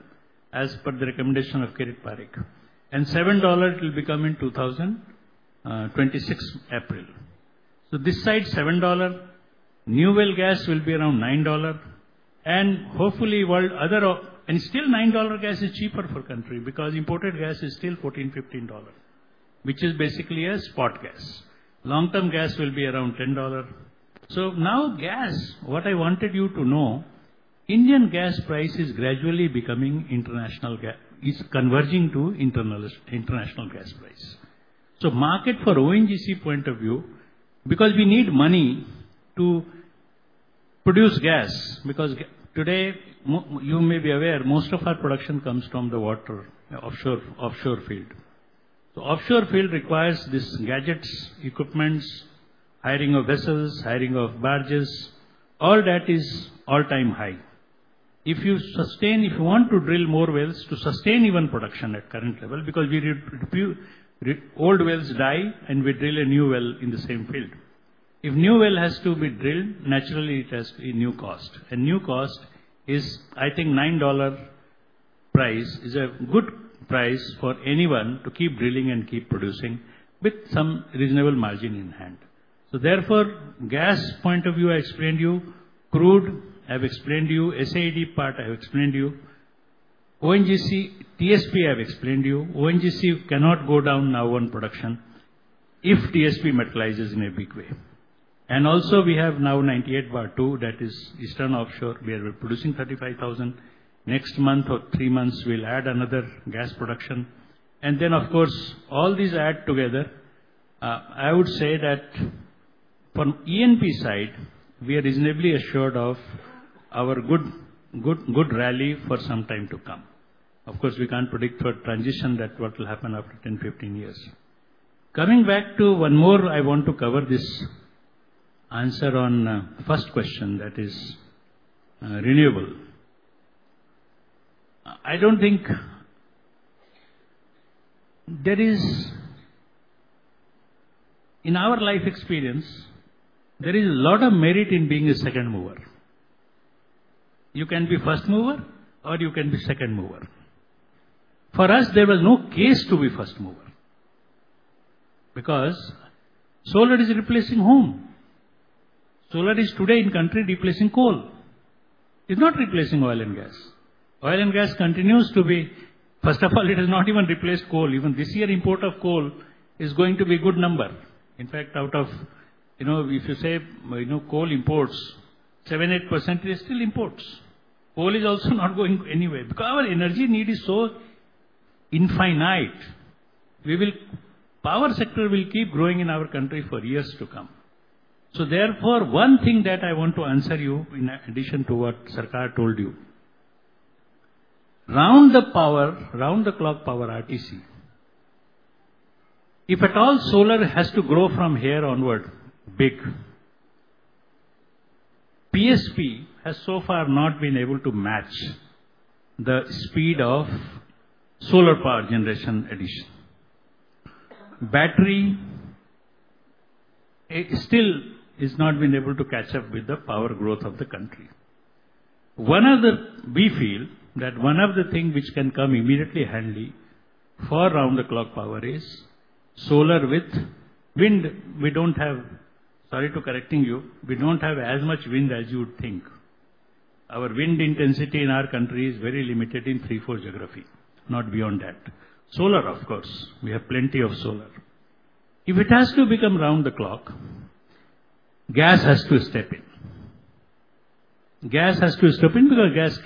as per the recommendation of Kirit Parikh. And $7 it will become in April 2026. So this side, $7, new well gas will be around $9. And hopefully, world over, and still $9 gas is cheaper for the country because imported gas is still $14-$15, which is basically a spot gas. Long-term gas will be around $10. So now gas, what I wanted you to know, Indian gas price is gradually becoming international gas, is converging to international gas price. So market for ONGC point of view, because we need money to produce gas, because today, you may be aware, most of our production comes from the water, offshore field. So offshore field requires these gadgets, equipment, hiring of vessels, hiring of barges. All that is all-time high. If you sustain, if you want to drill more wells to sustain even production at current level, because old wells die and we drill a new well in the same field. If new well has to be drilled, naturally it has a new cost. New cost is, I think, $9 price is a good price for anyone to keep drilling and keep producing with some reasonable margin in hand. Therefore, gas point of view, I explained to you. Crude, I've explained to you. SAED part, I've explained to you. ONGC, TSP, I've explained to you. ONGC cannot go down now on production if TSP materializes in a big way. Also we have now KG-DWN-98/2, that is Eastern Offshore, we are producing 35,000. Next month or three months, we'll add another gas production. And then, of course, all these add together. I would say that from E&P side, we are reasonably assured of our good rally for some time to come. Of course, we can't predict for transition that what will happen after 10, 15 years. Coming back to one more, I want to cover this answer on first question, that is renewable. I don't think there is, in our life experience, there is a lot of merit in being a second mover. You can be first mover or you can be second mover. For us, there was no case to be first mover because solar is replacing coal. Solar is today in country replacing coal. It's not replacing oil and gas. Oil and gas continues to be, first of all, it has not even replaced coal. Even this year, import of coal is going to be a good number. In fact, out of, if you say coal imports, 7%, 8% is still imports. Coal is also not going anywhere. Because our energy need is so infinite. Power sector will keep growing in our country for years to come. So therefore, one thing that I want to answer you in addition to what Sarkar told you, round the power, round the clock power RTC, if at all solar has to grow from here onward, big, PSP has so far not been able to match the speed of solar power generation addition. Battery still has not been able to catch up with the power growth of the country. One of the, we feel that one of the things which can come immediately handy for round the clock power is solar with wind. We don't have, sorry for correcting you, we don't have as much wind as you would think. Our wind intensity in our country is very limited in three, four geographies, not beyond that. Solar, of course, we have plenty of solar. If it has to become round the clock, gas has to step in. Gas has to step in because gas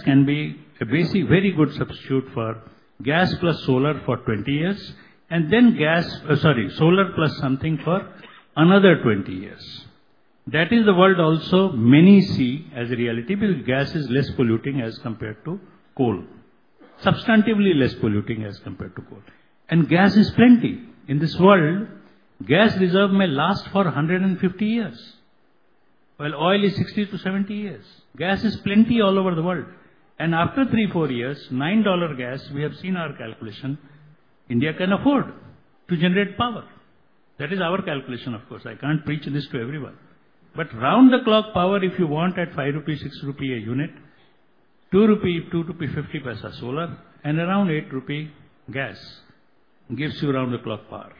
can be a very good substitute for gas plus solar for 20 years, and then gas, sorry, solar plus something for another 20 years. That is the world also many see as a reality because gas is less polluting as compared to coal, substantively less polluting as compared to coal. And gas is plenty. In this world, gas reserves may last for 150 years. Well, oil is 60-70 years. Gas is plenty all over the world. And after three, four years, $9 gas, we have seen our calculation, India can afford to generate power. That is our calculation, of course. I can't preach this to everyone, but round the clock power, if you want at 5 rupees, 6 rupees a unit, 2 rupees, 2.50 rupees solar, and around 8 rupees gas gives you round the clock power.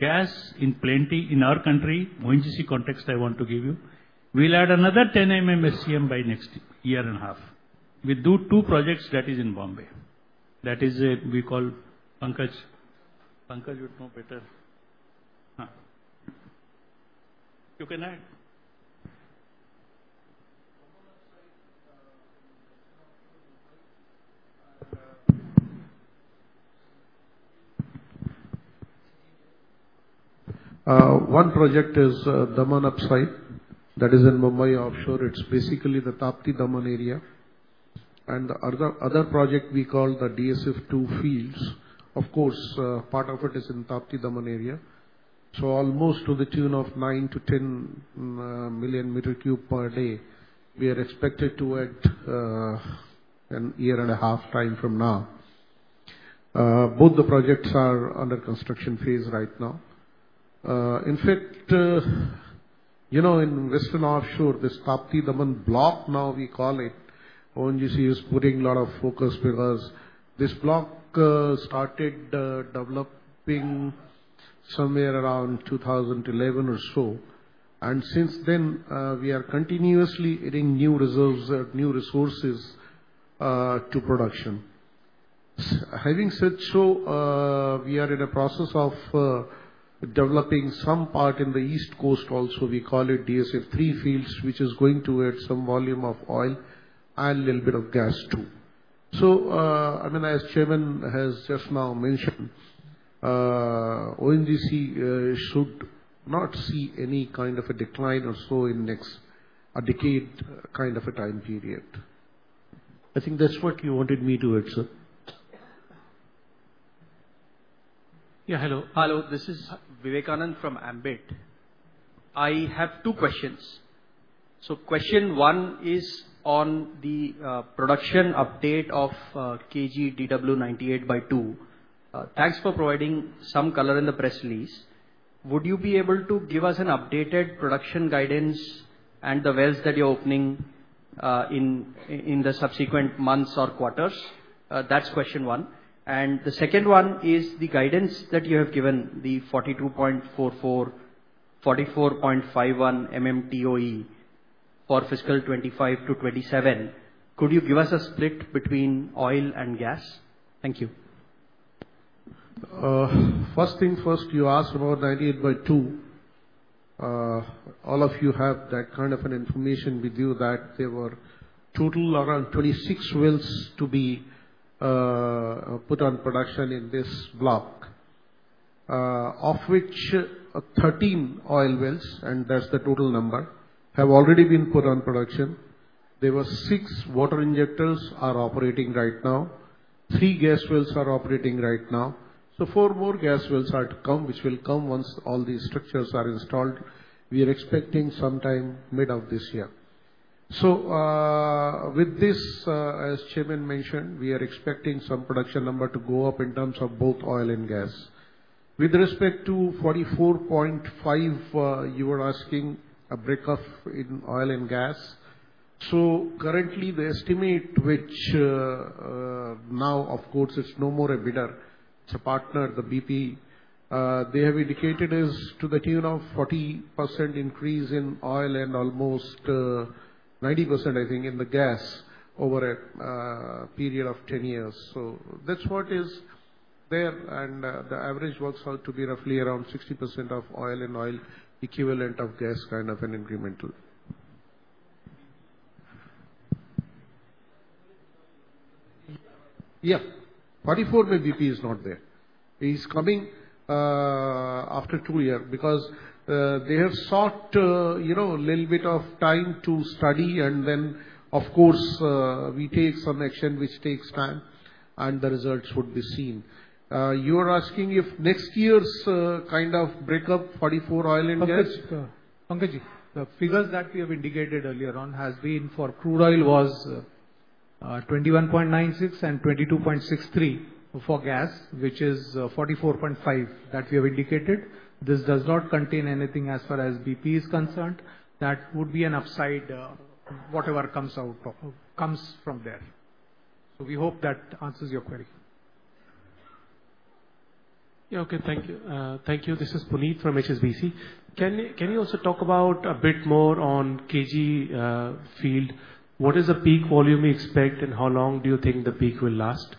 Gas in plenty in our country. ONGC context I want to give you, we'll add another 10 MMSCM by next year and a half. We do two projects that are in Bombay. That is a, we call Pankaj, Pankaj would know better. You can add. One project is Daman Upside. That is in Mumbai offshore. It's basically the Tapti-Daman area. The other project we call the DSF2 fields. Of course, part of it is in Tapti-Daman area. So almost to the tune of 9-10 million cubic meters per day, we are expected to add a year and a half time from now. Both the projects are under construction phase right now. In fact, in western offshore, this Tapti-Daman block now we call it, ONGC is putting a lot of focus because this block started developing somewhere around 2011 or so. And since then, we are continuously adding new reserves, new resources to production. Having said so, we are in a process of developing some part in the East Coast also. We call it DSF3 fields, which is going to add some volume of oil and a little bit of gas too. So, I mean, as Chairman has just now mentioned, ONGC should not see any kind of a decline or so in the next decade kind of a time period. I think that's what you wanted me to add, sir. Yeah, hello. Hello, this is Vivekanand from Ambit. I have two questions. So question one is on the production update of KG-DWN-98/2. Thanks for providing some color in the press release. Would you be able to give us an updated production guidance and the wells that you're opening in the subsequent months or quarters? That's question one. And the second one is the guidance that you have given, the 42.44-44.51 MMTOE for fiscal 2025-2027. Could you give us a split between oil and gas? Thank you. First thing first, you asked about KG-DWN-98/2. All of you have that kind of information with you that there were total around 26 wells to be put on production in this block, of which 13 oil wells, and that's the total number, have already been put on production. There were six water injectors operating right now. Three gas wells are operating right now. So four more gas wells are to come, which will come once all these structures are installed. We are expecting sometime mid of this year. So with this, as Chairman mentioned, we are expecting some production number to go up in terms of both oil and gas. With respect to 44.5%, you were asking a breakup in oil and gas. So currently, the estimate, which now, of course, it's no more a bidder, it's a partner, the BP, they have indicated is to the tune of 40% increase in oil and almost 90%, I think, in the gas over a period of 10 years. So that's what is there. And the average works out to be roughly around 60% of oil and oil equivalent of gas kind of an incremental. Yeah, 44% BP is not there. He's coming after two years because they have sought a little bit of time to study. And then, of course, we take some action, which takes time, and the results would be seen. You are asking if next year's kind of breakup, 44% oil and gas. Pankaj, the figures that we have indicated earlier on has been for crude oil was 21.96 and 22.63 for gas, which is 44.5% that we have indicated. This does not contain anything as far as BP is concerned. That would be an upside, whatever comes from there. So we hope that answers your query. Yeah, okay, thank you. Thank you. This is Puneet from HSBC. Can you also talk about a bit more on KG field? What is the peak volume we expect, and how long do you think the peak will last?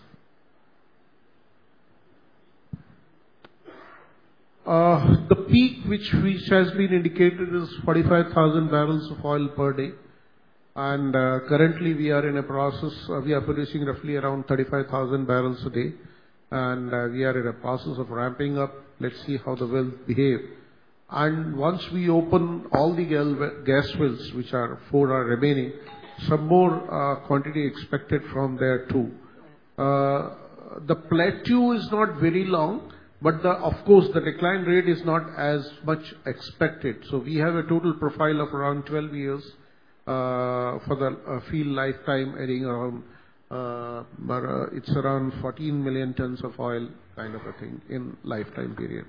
The peak, which has been indicated, is 45,000 barrels of oil per day. And currently, we are in a process. We are producing roughly around 35,000 barrels a day. And we are in a process of ramping up. Let's see how the wells behave. And once we open all the gas wells, which four are remaining, some more quantity expected from there too. The plateau is not very long, but of course, the decline rate is not as much expected. So we have a total profile of around 12 years for the field lifetime adding around. It's around 14 million tons of oil kind of a thing in lifetime period.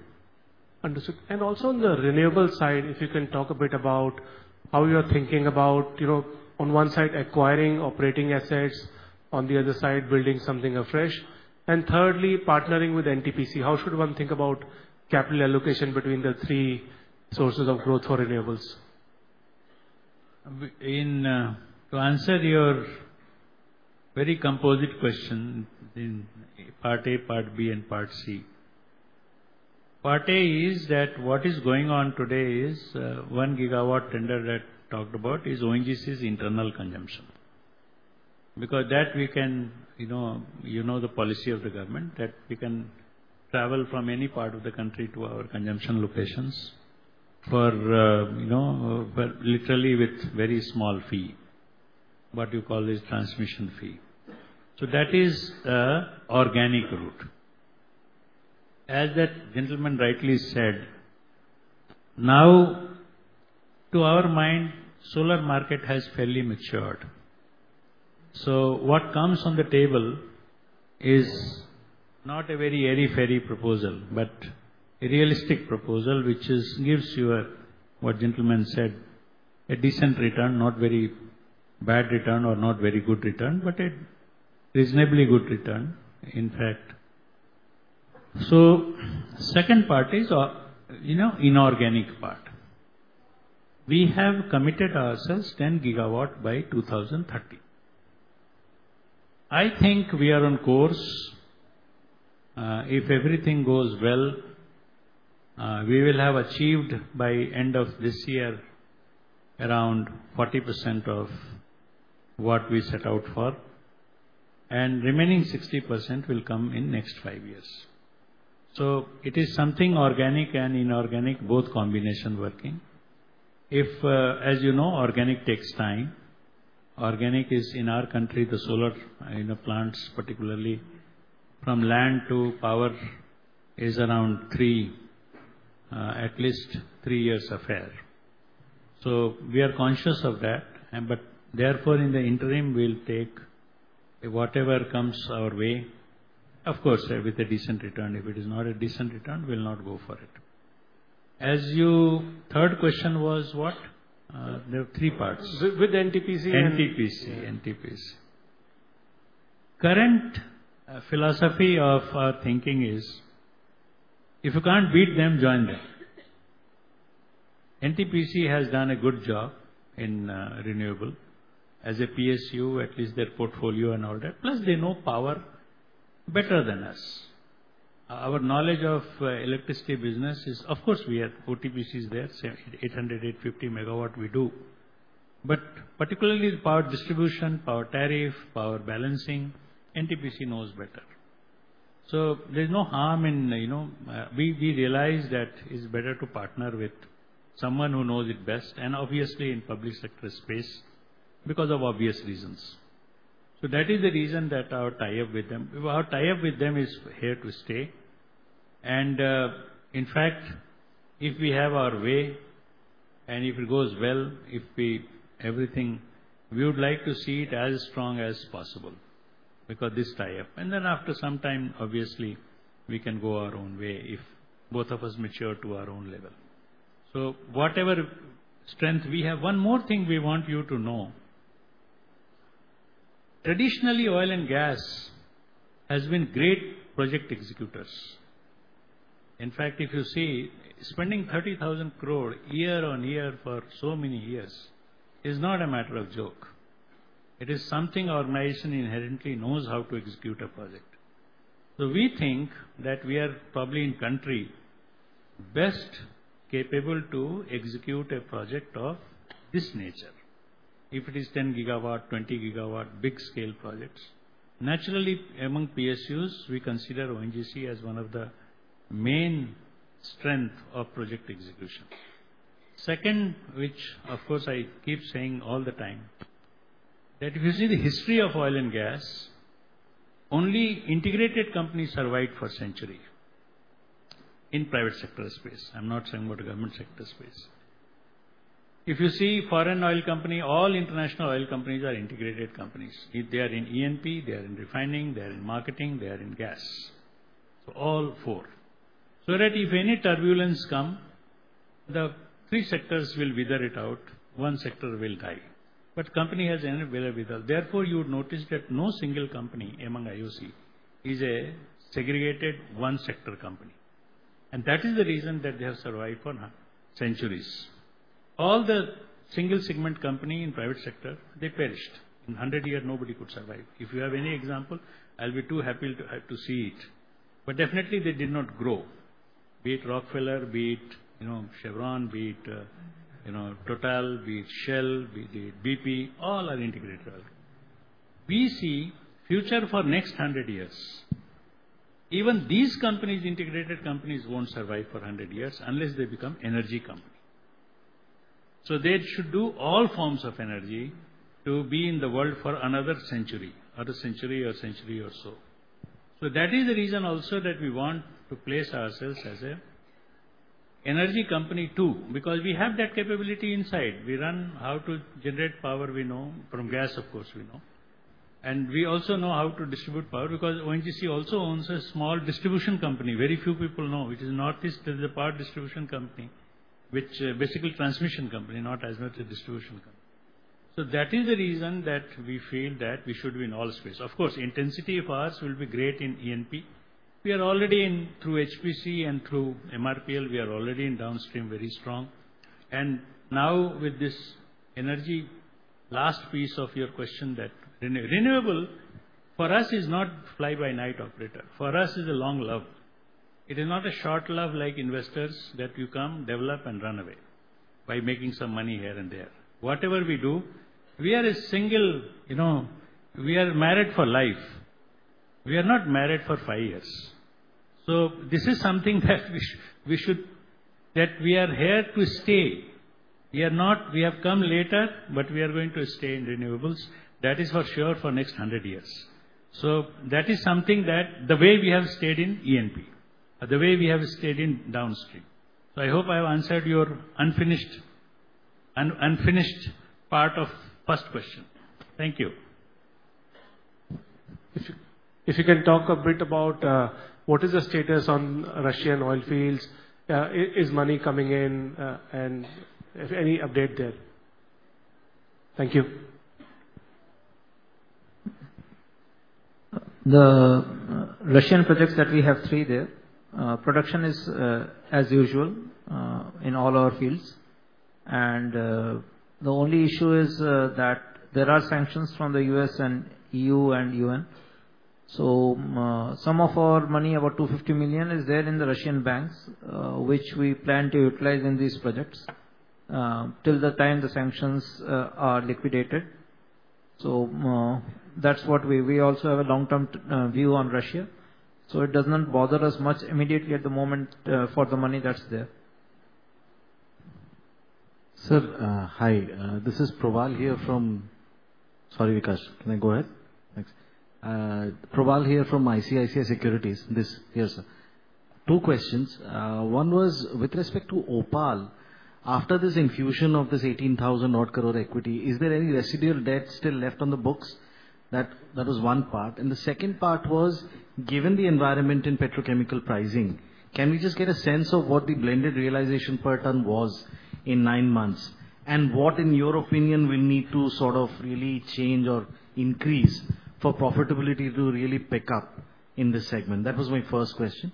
Understood. And also on the renewable side, if you can talk a bit about how you're thinking about, on one side, acquiring operating assets, on the other side, building something afresh. And thirdly, partnering with NTPC, how should one think about capital allocation between the three sources of growth for renewables? To answer your very composite question in part A, part B, and part C, part A is that what is going on today is one gigawatt tender that talked about is ONGC's internal consumption. Because that we can, you know, the policy of the government that we can travel from any part of the country to our consumption locations for literally with very small fee, what you call is transmission fee. So that is an organic route. As that gentleman rightly said, now to our mind, solar market has fairly matured. So what comes on the table is not a very airy-fairy proposal, but a realistic proposal, which gives you what gentleman said, a decent return, not very bad return or not very good return, but a reasonably good return, in fact. So second part is inorganic part. We have committed ourselves 10 GW by 2030. I think we are on course. If everything goes well, we will have achieved by end of this year around 40% of what we set out for, and remaining 60% will come in next five years, so it is something organic and inorganic, both combination working. If, as you know, organic takes time. Organic is in our country, the solar plants, particularly from land to power is around three, at least three years affair, so we are conscious of that, but therefore, in the interim, we'll take whatever comes our way, of course, with a decent return. If it is not a decent return, we'll not go for it. As you, third question was what? There are three parts. With NTPC. NTPC, NTPC. Current philosophy of our thinking is, if you can't beat them, join them. NTPC has done a good job in renewable. As a PSU, at least their portfolio and all that. Plus, they know power better than us. Our knowledge of electricity business is, of course, we have OTPCs there, 800, 850 MW we do. But particularly power distribution, power tariff, power balancing, NTPC knows better. So there's no harm in, we realize that it's better to partner with someone who knows it best, and obviously in public sector space because of obvious reasons. So that is the reason that our tie-up with them, our tie-up with them is here to stay. And in fact, if we have our way and if it goes well, if everything, we would like to see it as strong as possible because this tie-up. And then after some time, obviously, we can go our own way if both of us mature to our own level. So whatever strength we have, one more thing we want you to know. Traditionally, oil and gas has been great project executors. In fact, if you see, spending 30,000 crore year on year for so many years is not a matter of joke. It is something organization inherently knows how to execute a project. So we think that we are probably in country best capable to execute a project of this nature. If it is 10 GW, 20 GW, big scale projects. Naturally, among PSUs, we consider ONGC as one of the main strength of project execution. Second, which of course I keep saying all the time, that if you see the history of oil and gas, only integrated companies survive for a century in private sector space. I'm not saying what government sector space. If you see foreign oil company, all international oil companies are integrated companies. They are in E&P, they are in refining, they are in marketing, they are in gas. So all four. So that if any turbulence come, the three sectors will weather it out. One sector will die. But company has inevitable weather. Therefore, you would notice that no single company among IOC is a segregated one sector company. And that is the reason that they have survived for centuries. All the single segment company in private sector, they perished. In 100 years, nobody could survive. If you have any example, I'll be too happy to see it. But definitely, they did not grow. Be it Rockefeller, be it Chevron, be it Total, be it Shell, be it BP, all are integrated. We see future for next 100 years. Even these companies, integrated companies won't survive for 100 years unless they become energy company. So they should do all forms of energy to be in the world for another century, another century or century or so. So that is the reason also that we want to place ourselves as an energy company too because we have that capability inside. We run how to generate power we know from gas, of course we know. And we also know how to distribute power because ONGC also owns a small distribution company. Very few people know, which is Northeast, there's a power distribution company, which is basically a transmission company, not as much a distribution company. So that is the reason that we feel that we should be in all space. Of course, intensity of ours will be great in E&P. We are already in through HPCL and through MRPL; we are already in downstream very strong. Now with this energy last piece of your question that renewable for us is not fly-by-night operator. For us, it is a long love. It is not a short love like investors that you come, develop, and run away by making some money here and there. Whatever we do, we are a single, we are married for life. We are not married for five years. So this is something that we should, that we are here to stay. We have come later, but we are going to stay in renewables. That is for sure for next 100 years. So that is something that the way we have stayed in E&P, the way we have stayed in downstream. So I hope I have answered your unfinished part of first question. Thank you. If you can talk a bit about what is the status on Russian oil fields, is money coming in, and any update there? Thank you. The Russian projects that we have three there, production is as usual in all our fields. And the only issue is that there are sanctions from the U.S. and E.U. and U.N. So some of our money, about $250 million, is there in the Russian banks, which we plan to utilize in these projects till the time the sanctions are liquidated. So that's what we also have a long-term view on Russia. So it does not bother us much immediately at the moment for the money that's there. Sir, hi. This is Prabal here from, sorry, Vikas, can I go ahead? Thanks. Prabal here from ICICI Securities. This here, sir. Two questions. One was with respect to OPaL, after this infusion of this 18,000 crore equity, is there any residual debt still left on the books? That was one part. And the second part was, given the environment in petrochemical pricing, can we just get a sense of what the blended realization per ton was in nine months? And what, in your opinion, we need to sort of really change or increase for profitability to really pick up in this segment? That was my first question.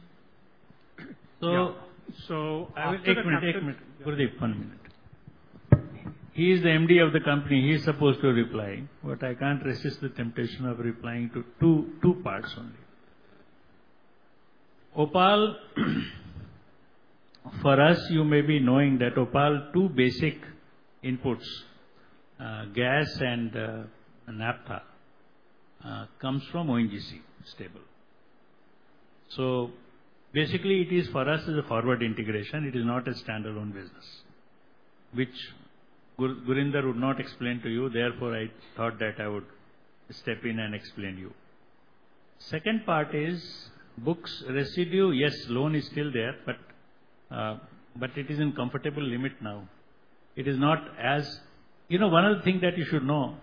So I will take a minute. Take a minute. Gurinder, one minute. He is the MD of the company. He is supposed to reply, but I can't resist the temptation of replying to two parts only. OPaL, for us, you may be knowing that OPaL, two basic inputs, gas and naphtha, comes from ONGC stable. So basically, it is for us as a forward integration. It is not a standalone business, which Gurinder would not explain to you. Therefore, I thought that I would step in and explain you. Second part is books, residue. Yes, loan is still there, but it is in comfortable limit now. It is not as, you know, one of the things that you should know.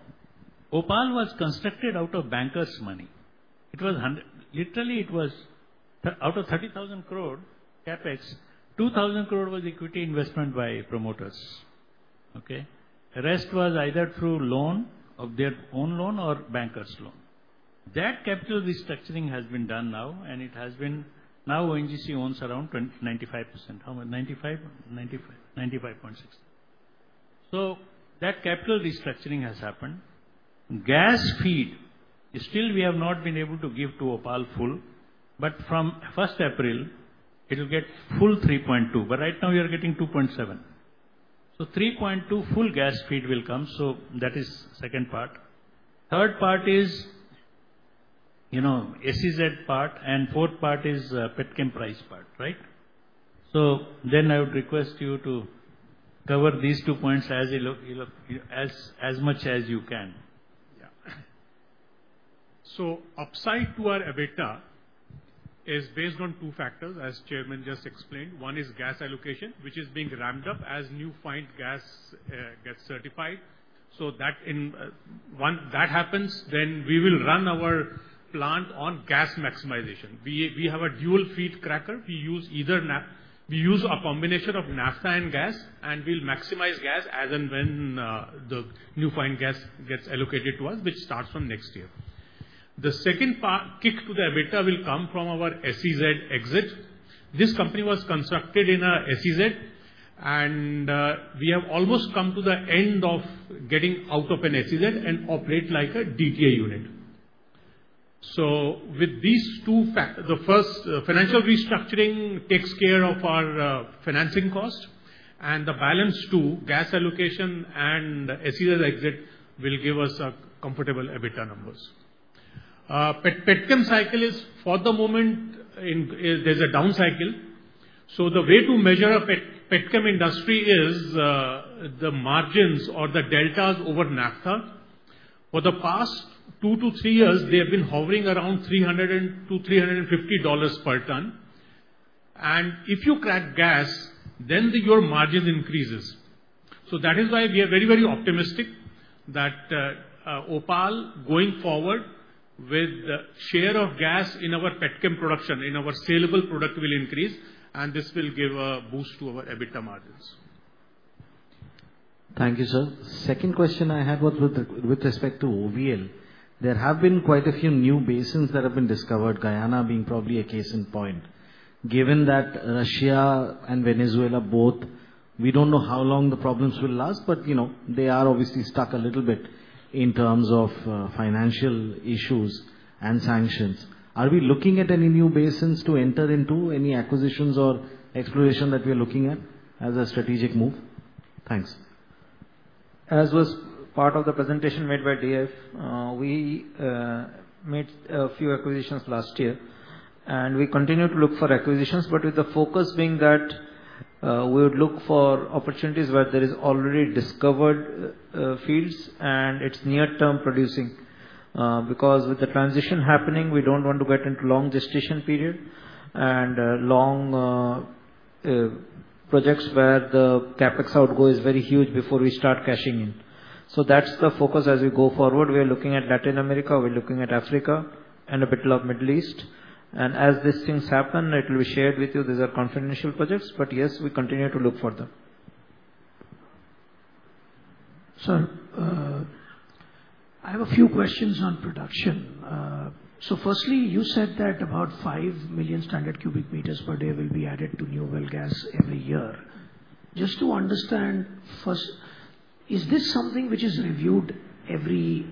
OPaL was constructed out of bankers' money. It was literally. It was out of 30,000 crore Capex. 2,000 crore was equity investment by promoters. Okay? Rest was either through loan of their own loan or bankers' loan. That capital restructuring has been done now, and it has been now ONGC owns around 95%. How much? 95%? 95.6%. So that capital restructuring has happened. Gas feed still we have not been able to give to OPaL full, but from 1st April, it will get full 3.2%. But right now, we are getting 2.7%. So 3.2% full gas feed will come. So that is second part. Third part is SEZ part, and fourth part is Petchem price part, right? So then I would request you to cover these two points as much as you can. Yeah. So upside to our EBITDA is based on two factors, as Chairman just explained. One is gas allocation, which is being ramped up as new find gas gets certified. So that happens, then we will run our plant on gas maximization. We have a dual feed cracker. We use either a combination of naphtha and gas, and we'll maximize gas as and when the new find gas gets allocated to us, which starts from next year. The second kick to the EBITDA will come from our SEZ exit. This company was constructed in a SEZ, and we have almost come to the end of getting out of an SEZ and operate like a DTA unit. So with these two, the first financial restructuring takes care of our financing cost, and the balance two, gas allocation and SEZ exit, will give us comfortable EBITDA numbers. Petchem cycle is for the moment; there's a down cycle. So the way to measure a petchem industry is the margins or the deltas over Naptha. For the past two to three years, they have been hovering around $300-$350 per ton. And if you crack gas, then your margins increases. So that is why we are very, very optimistic that OPaL going forward with the share of gas in our petchem production, in our saleable product will increase, and this will give a boost to our EBITDA margins. Thank you, sir. Second question I had was with respect to OVL. There have been quite a few new basins that have been discovered, Guyana being probably a case in point. Given that Russia and Venezuela both, we don't know how long the problems will last, but they are obviously stuck a little bit in terms of financial issues and sanctions. Are we looking at any new basins to enter into any acquisitions or exploration that we are looking at as a strategic move? Thanks. As was part of the presentation made by DF, we made a few acquisitions last year, and we continue to look for acquisitions, but with the focus being that we would look for opportunities where there are already discovered fields and it's near-term producing. Because with the transition happening, we don't want to get into long gestation period and long projects where the CapEx outgo is very huge before we start cashing in. So that's the focus as we go forward. We are looking at Latin America, we're looking at Africa, and a bit of Middle East, and as these things happen, it will be shared with you. These are confidential projects, but yes, we continue to look for them. Sir, I have a few questions on production. So firstly, you said that about five million standard cubic meters per day will be added to new oil gas every year. Just to understand, first, is this something which is reviewed every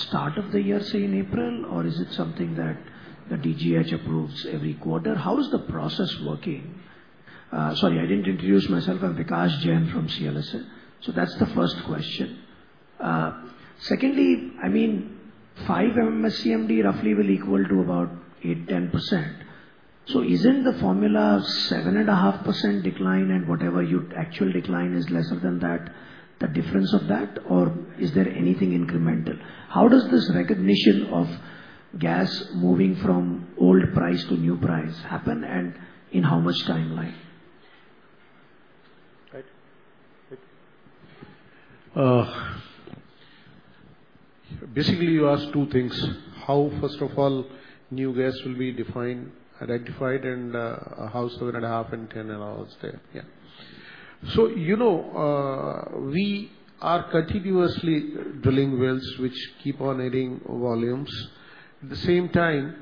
start of the year, say in April, or is it something that the DGH approves every quarter? How is the process working? Sorry, I didn't introduce myself. I'm Vikash Jain from CLSA. That's the first question. Secondly, I mean, 5 MMSCMD roughly will equal to about 8-10%. So isn't the formula 7.5% decline and whatever your actual decline is lesser than that, the difference of that, or is there anything incremental? How does this recognition of gas moving from old price to new price happen and in how much timeline? Basically, you asked two things. How, first of all, new gas will be defined, identified, and how 7.5% and 10% and all stay? Yeah. So we are continuously drilling wells which keep on adding volumes. At the same time,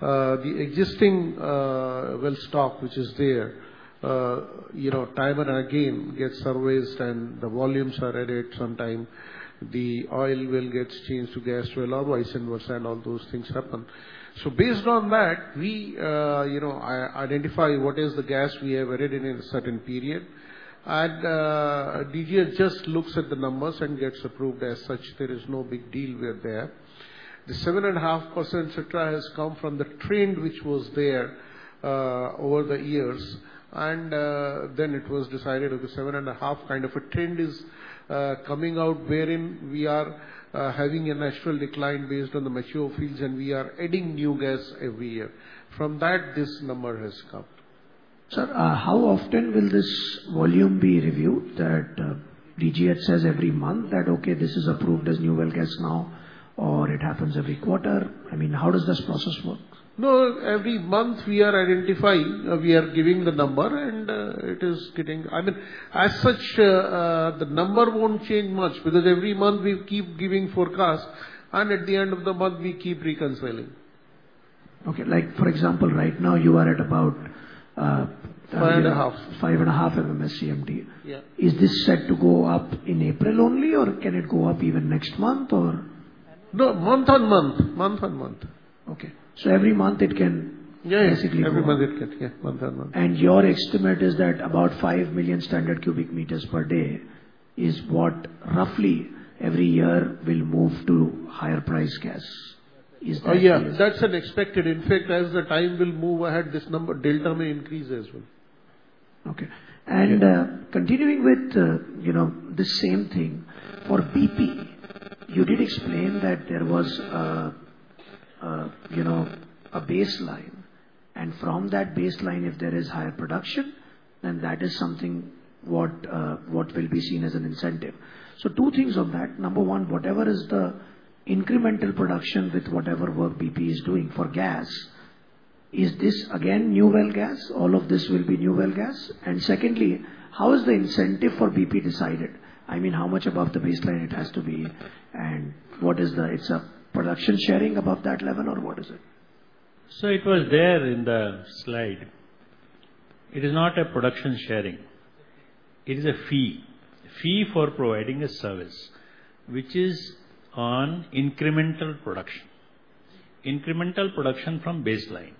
the existing well stock, which is there, time and again gets surveyed and the volumes are added sometime. The oil well gets changed to gas well or vice versa and all those things happen. So based on that, we identify what is the gas we have added in a certain period. And DGH just looks at the numbers and gets approved as such. There is no big deal there. The 7.5% etc. has come from the trend which was there over the years. And then it was decided of the 7.5% kind of a trend is coming out wherein we are having a natural decline based on the mature fields and we are adding new gas every year. From that, this number has come. Sir, how often will this volume be reviewed? That DGH says every month that, okay, this is approved as new oil and gas now, or it happens every quarter. I mean, how does this process work? No, every month we are identifying, we are giving the number, and it is getting, I mean, as such, the number won't change much because every month we keep giving forecasts, and at the end of the month, we keep reconciling. Okay. Like for example, right now you are at about 5.5 MMSCMD. Is this set to go up in April only, or can it go up even next month, or? No, month on month. Month on month. Okay. So every month it can basically go up. Yeah. Every month it can. Yeah. Month on month. And your estimate is that about 5 million standard cu m per day is what roughly every year will move to higher price gas. Is that the case? Yeah. That's an expected. In fact, as the time will move ahead, this number delta may increase as well. Okay. Continuing with this same thing, for BP, you did explain that there was a baseline, and from that baseline, if there is higher production, then that is something what will be seen as an incentive. Two things on that. Number one, whatever is the incremental production with whatever work BP is doing for gas, is this again new oil and gas? All of this will be new oil and gas? And secondly, how is the incentive for BP decided? I mean, how much above the baseline it has to be, and what is the, it's a production sharing above that level, or what is it? It was there in the slide. It is not a production sharing. It is a fee. Fee for providing a service, which is on incremental production. Incremental production from baseline.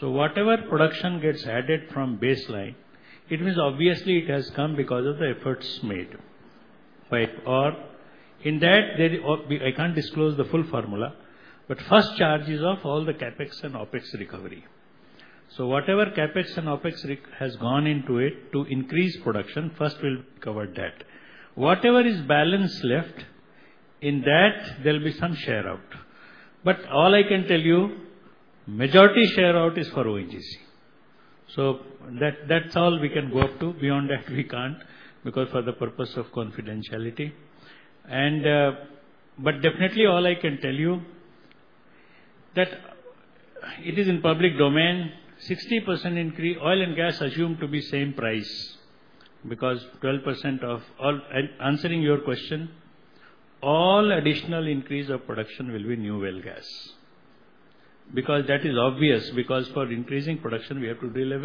Whatever production gets added from baseline, it means obviously it has come because of the efforts made. In that, I can't disclose the full formula, but first charge is of all the CapEx and OpEx recovery. So whatever CapEx and OpEx has gone into it to increase production, first will cover that. Whatever is balance left, in that, there will be some share out. But all I can tell you, majority share out is for ONGC. So that's all we can go up to. Beyond that, we can't because for the purpose of confidentiality. But definitely, all I can tell you that it is in public domain, 60% increase, oil and gas assumed to be same price because 12% of all, answering your question, all additional increase of production will be new oil and gas. Because that is obvious because for increasing production, we have to drill.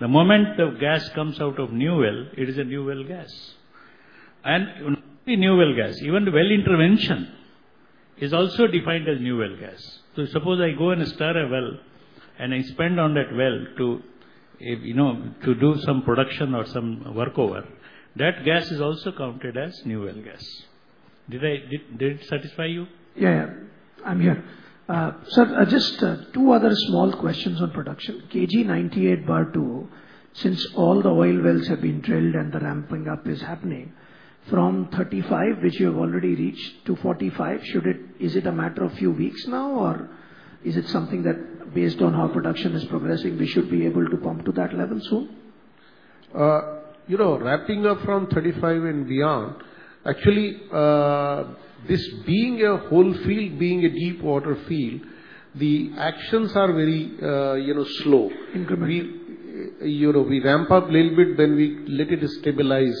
The moment the gas comes out of new oil, it is a new oil gas. And new oil gas, even the well intervention is also defined as new oil gas. So suppose I go and start a well and I spend on that well to do some production or some workover, that gas is also counted as new oil gas. Did it satisfy you? Yeah. Yeah. I'm here. Sir, just two other small questions on production. KG-DWN-98/2, since all the oil wells have been drilled and the ramping up is happening, from 35, which you have already reached, to 45, is it a matter of a few weeks now, or is it something that based on how production is progressing, we should be able to pump to that level soon? Ramping up from 35 and beyond, actually, this being a whole field, being a deep water field, the actions are very slow. We ramp up a little bit, then we let it stabilize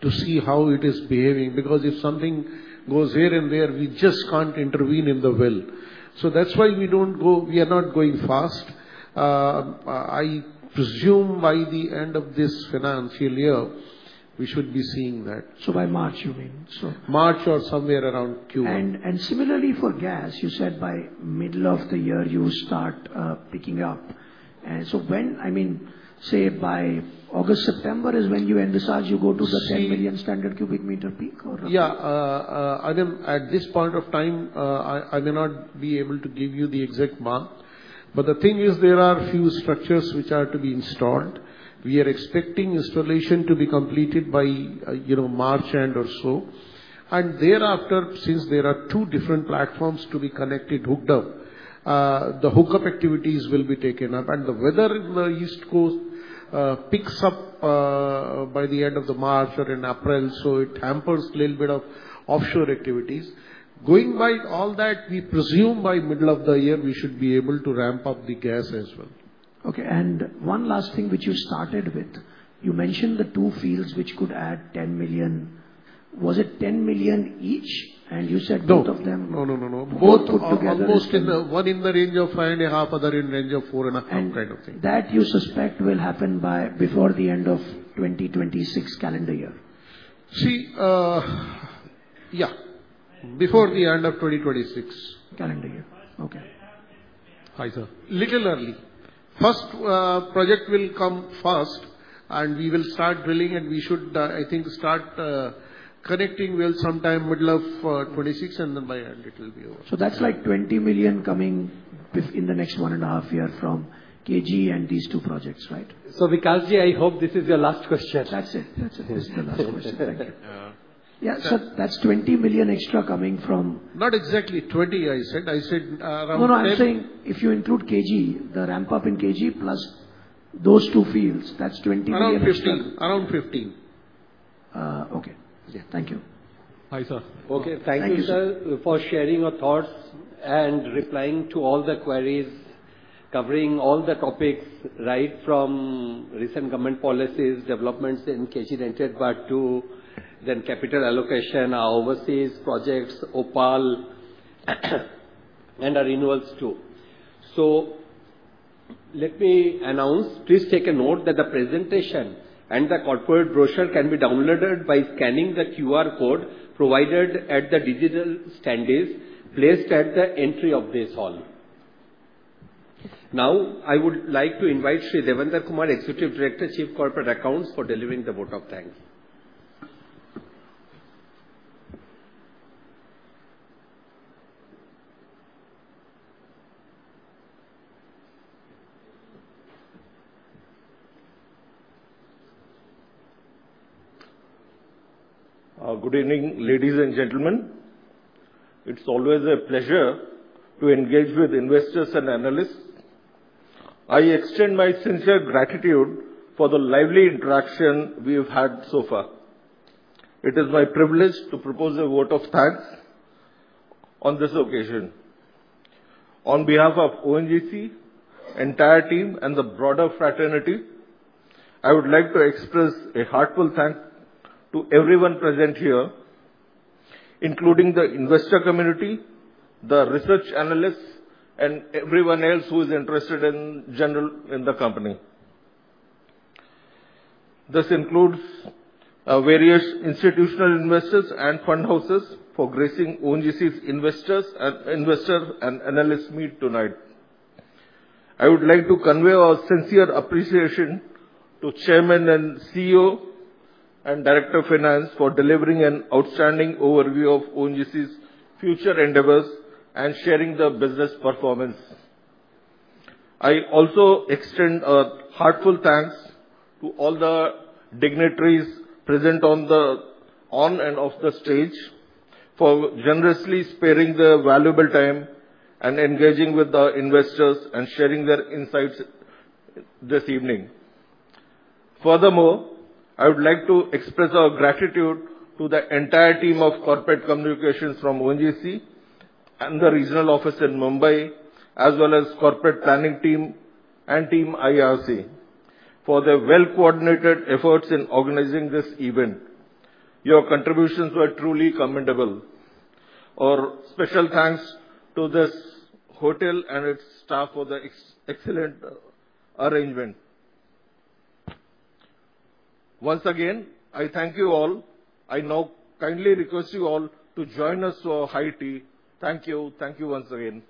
to see how it is behaving. Because if something goes here and there, we just can't intervene in the well. So that's why we don't go, we are not going fast. I presume by the end of this financial year, we should be seeing that. So by March, you mean? March or somewhere around Q1. And similarly for gas, you said by middle of the year you start picking up. And so when, I mean, say by August, September is when you end this out, you go to the 10 million standard cubic meter peak or? Yeah. At this point of time, I may not be able to give you the exact month. But the thing is there are a few structures which are to be installed. We are expecting installation to be completed by March end or so. And thereafter, since there are two different platforms to be connected, hooked up, the hookup activities will be taken up. And the weather in the East Coast picks up by the end of March or in April, so it hampers a little bit of offshore activities. Going by all that, we presume by middle of the year, we should be able to ramp up the gas as well. Okay. And one last thing which you started with. You mentioned the two fields which could add 10 million. Was it 10 million each? And you said both of them? No, no, no, no, no. Both put together. Almost one in the range of five and a half, other in range of four and a half kind of thing. That you suspect will happen before the end of 2026 calendar year? See, yeah. Before the end of 2026. Calendar year. Okay. Hi, sir. Little early. First project will come first, and we will start drilling, and we should, I think, start connecting well sometime middle of 2026, and then by end, it will be over. So that's like 20 million coming in the next one and a half year from KG and these two projects, right? So Vikas Ji, I hope this is your last question. That's it. That's it. This is the last question. Thank you. Yeah. Sir, that's 20 million extra coming from. Not exactly 20, I said. I said around 10. No, no. I'm saying if you include KG, the ramp up in KG plus those two fields, that's 20 million extra. Around 15. Around 15. Okay. Yeah. Thank you. Hi, sir. Okay. Thank you, sir, for sharing your thoughts and replying to all the queries, covering all the topics right from recent government policies, developments in KG-DWN-98/2, then capital allocation, our overseas projects, OPaL, and our renewables too. So let me announce, please take note that the presentation and the corporate brochure can be downloaded by scanning the QR code provided at the digital stands placed at the entry of this hall. Now, I would like to invite Shri Devendra Kumar, Executive Director, Chief Corporate Accounts, for delivering the vote of thanks. Good evening, ladies and gentlemen. It's always a pleasure to engage with investors and analysts. I extend my sincere gratitude for the lively interaction we have had so far. It is my privilege to propose a vote of thanks on this occasion. On behalf of ONGC, entire team, and the broader fraternity, I would like to express a heartfelt thanks to everyone present here, including the investor community, the research analysts, and everyone else who is interested in general in the company. This includes various institutional investors and fund houses for gracing ONGC's investor and analyst meet tonight. I would like to convey our sincere appreciation to Chairman and CEO and Director of Finance for delivering an outstanding overview of ONGC's future endeavors and sharing the business performance. I also extend a heartfelt thanks to all the dignitaries present on and off the stage for generously sparing the valuable time and engaging with the investors and sharing their insights this evening. Furthermore, I would like to express our gratitude to the entire team of corporate communications from ONGC and the regional office in Mumbai, as well as the corporate planning team and team IRC for the well-coordinated efforts in organizing this event. Your contributions were truly commendable. Special thanks to this hotel and its staff for the excellent arrangement. Once again, I thank you all. I now kindly request you all to join us for high tea. Thank you. Thank you once again.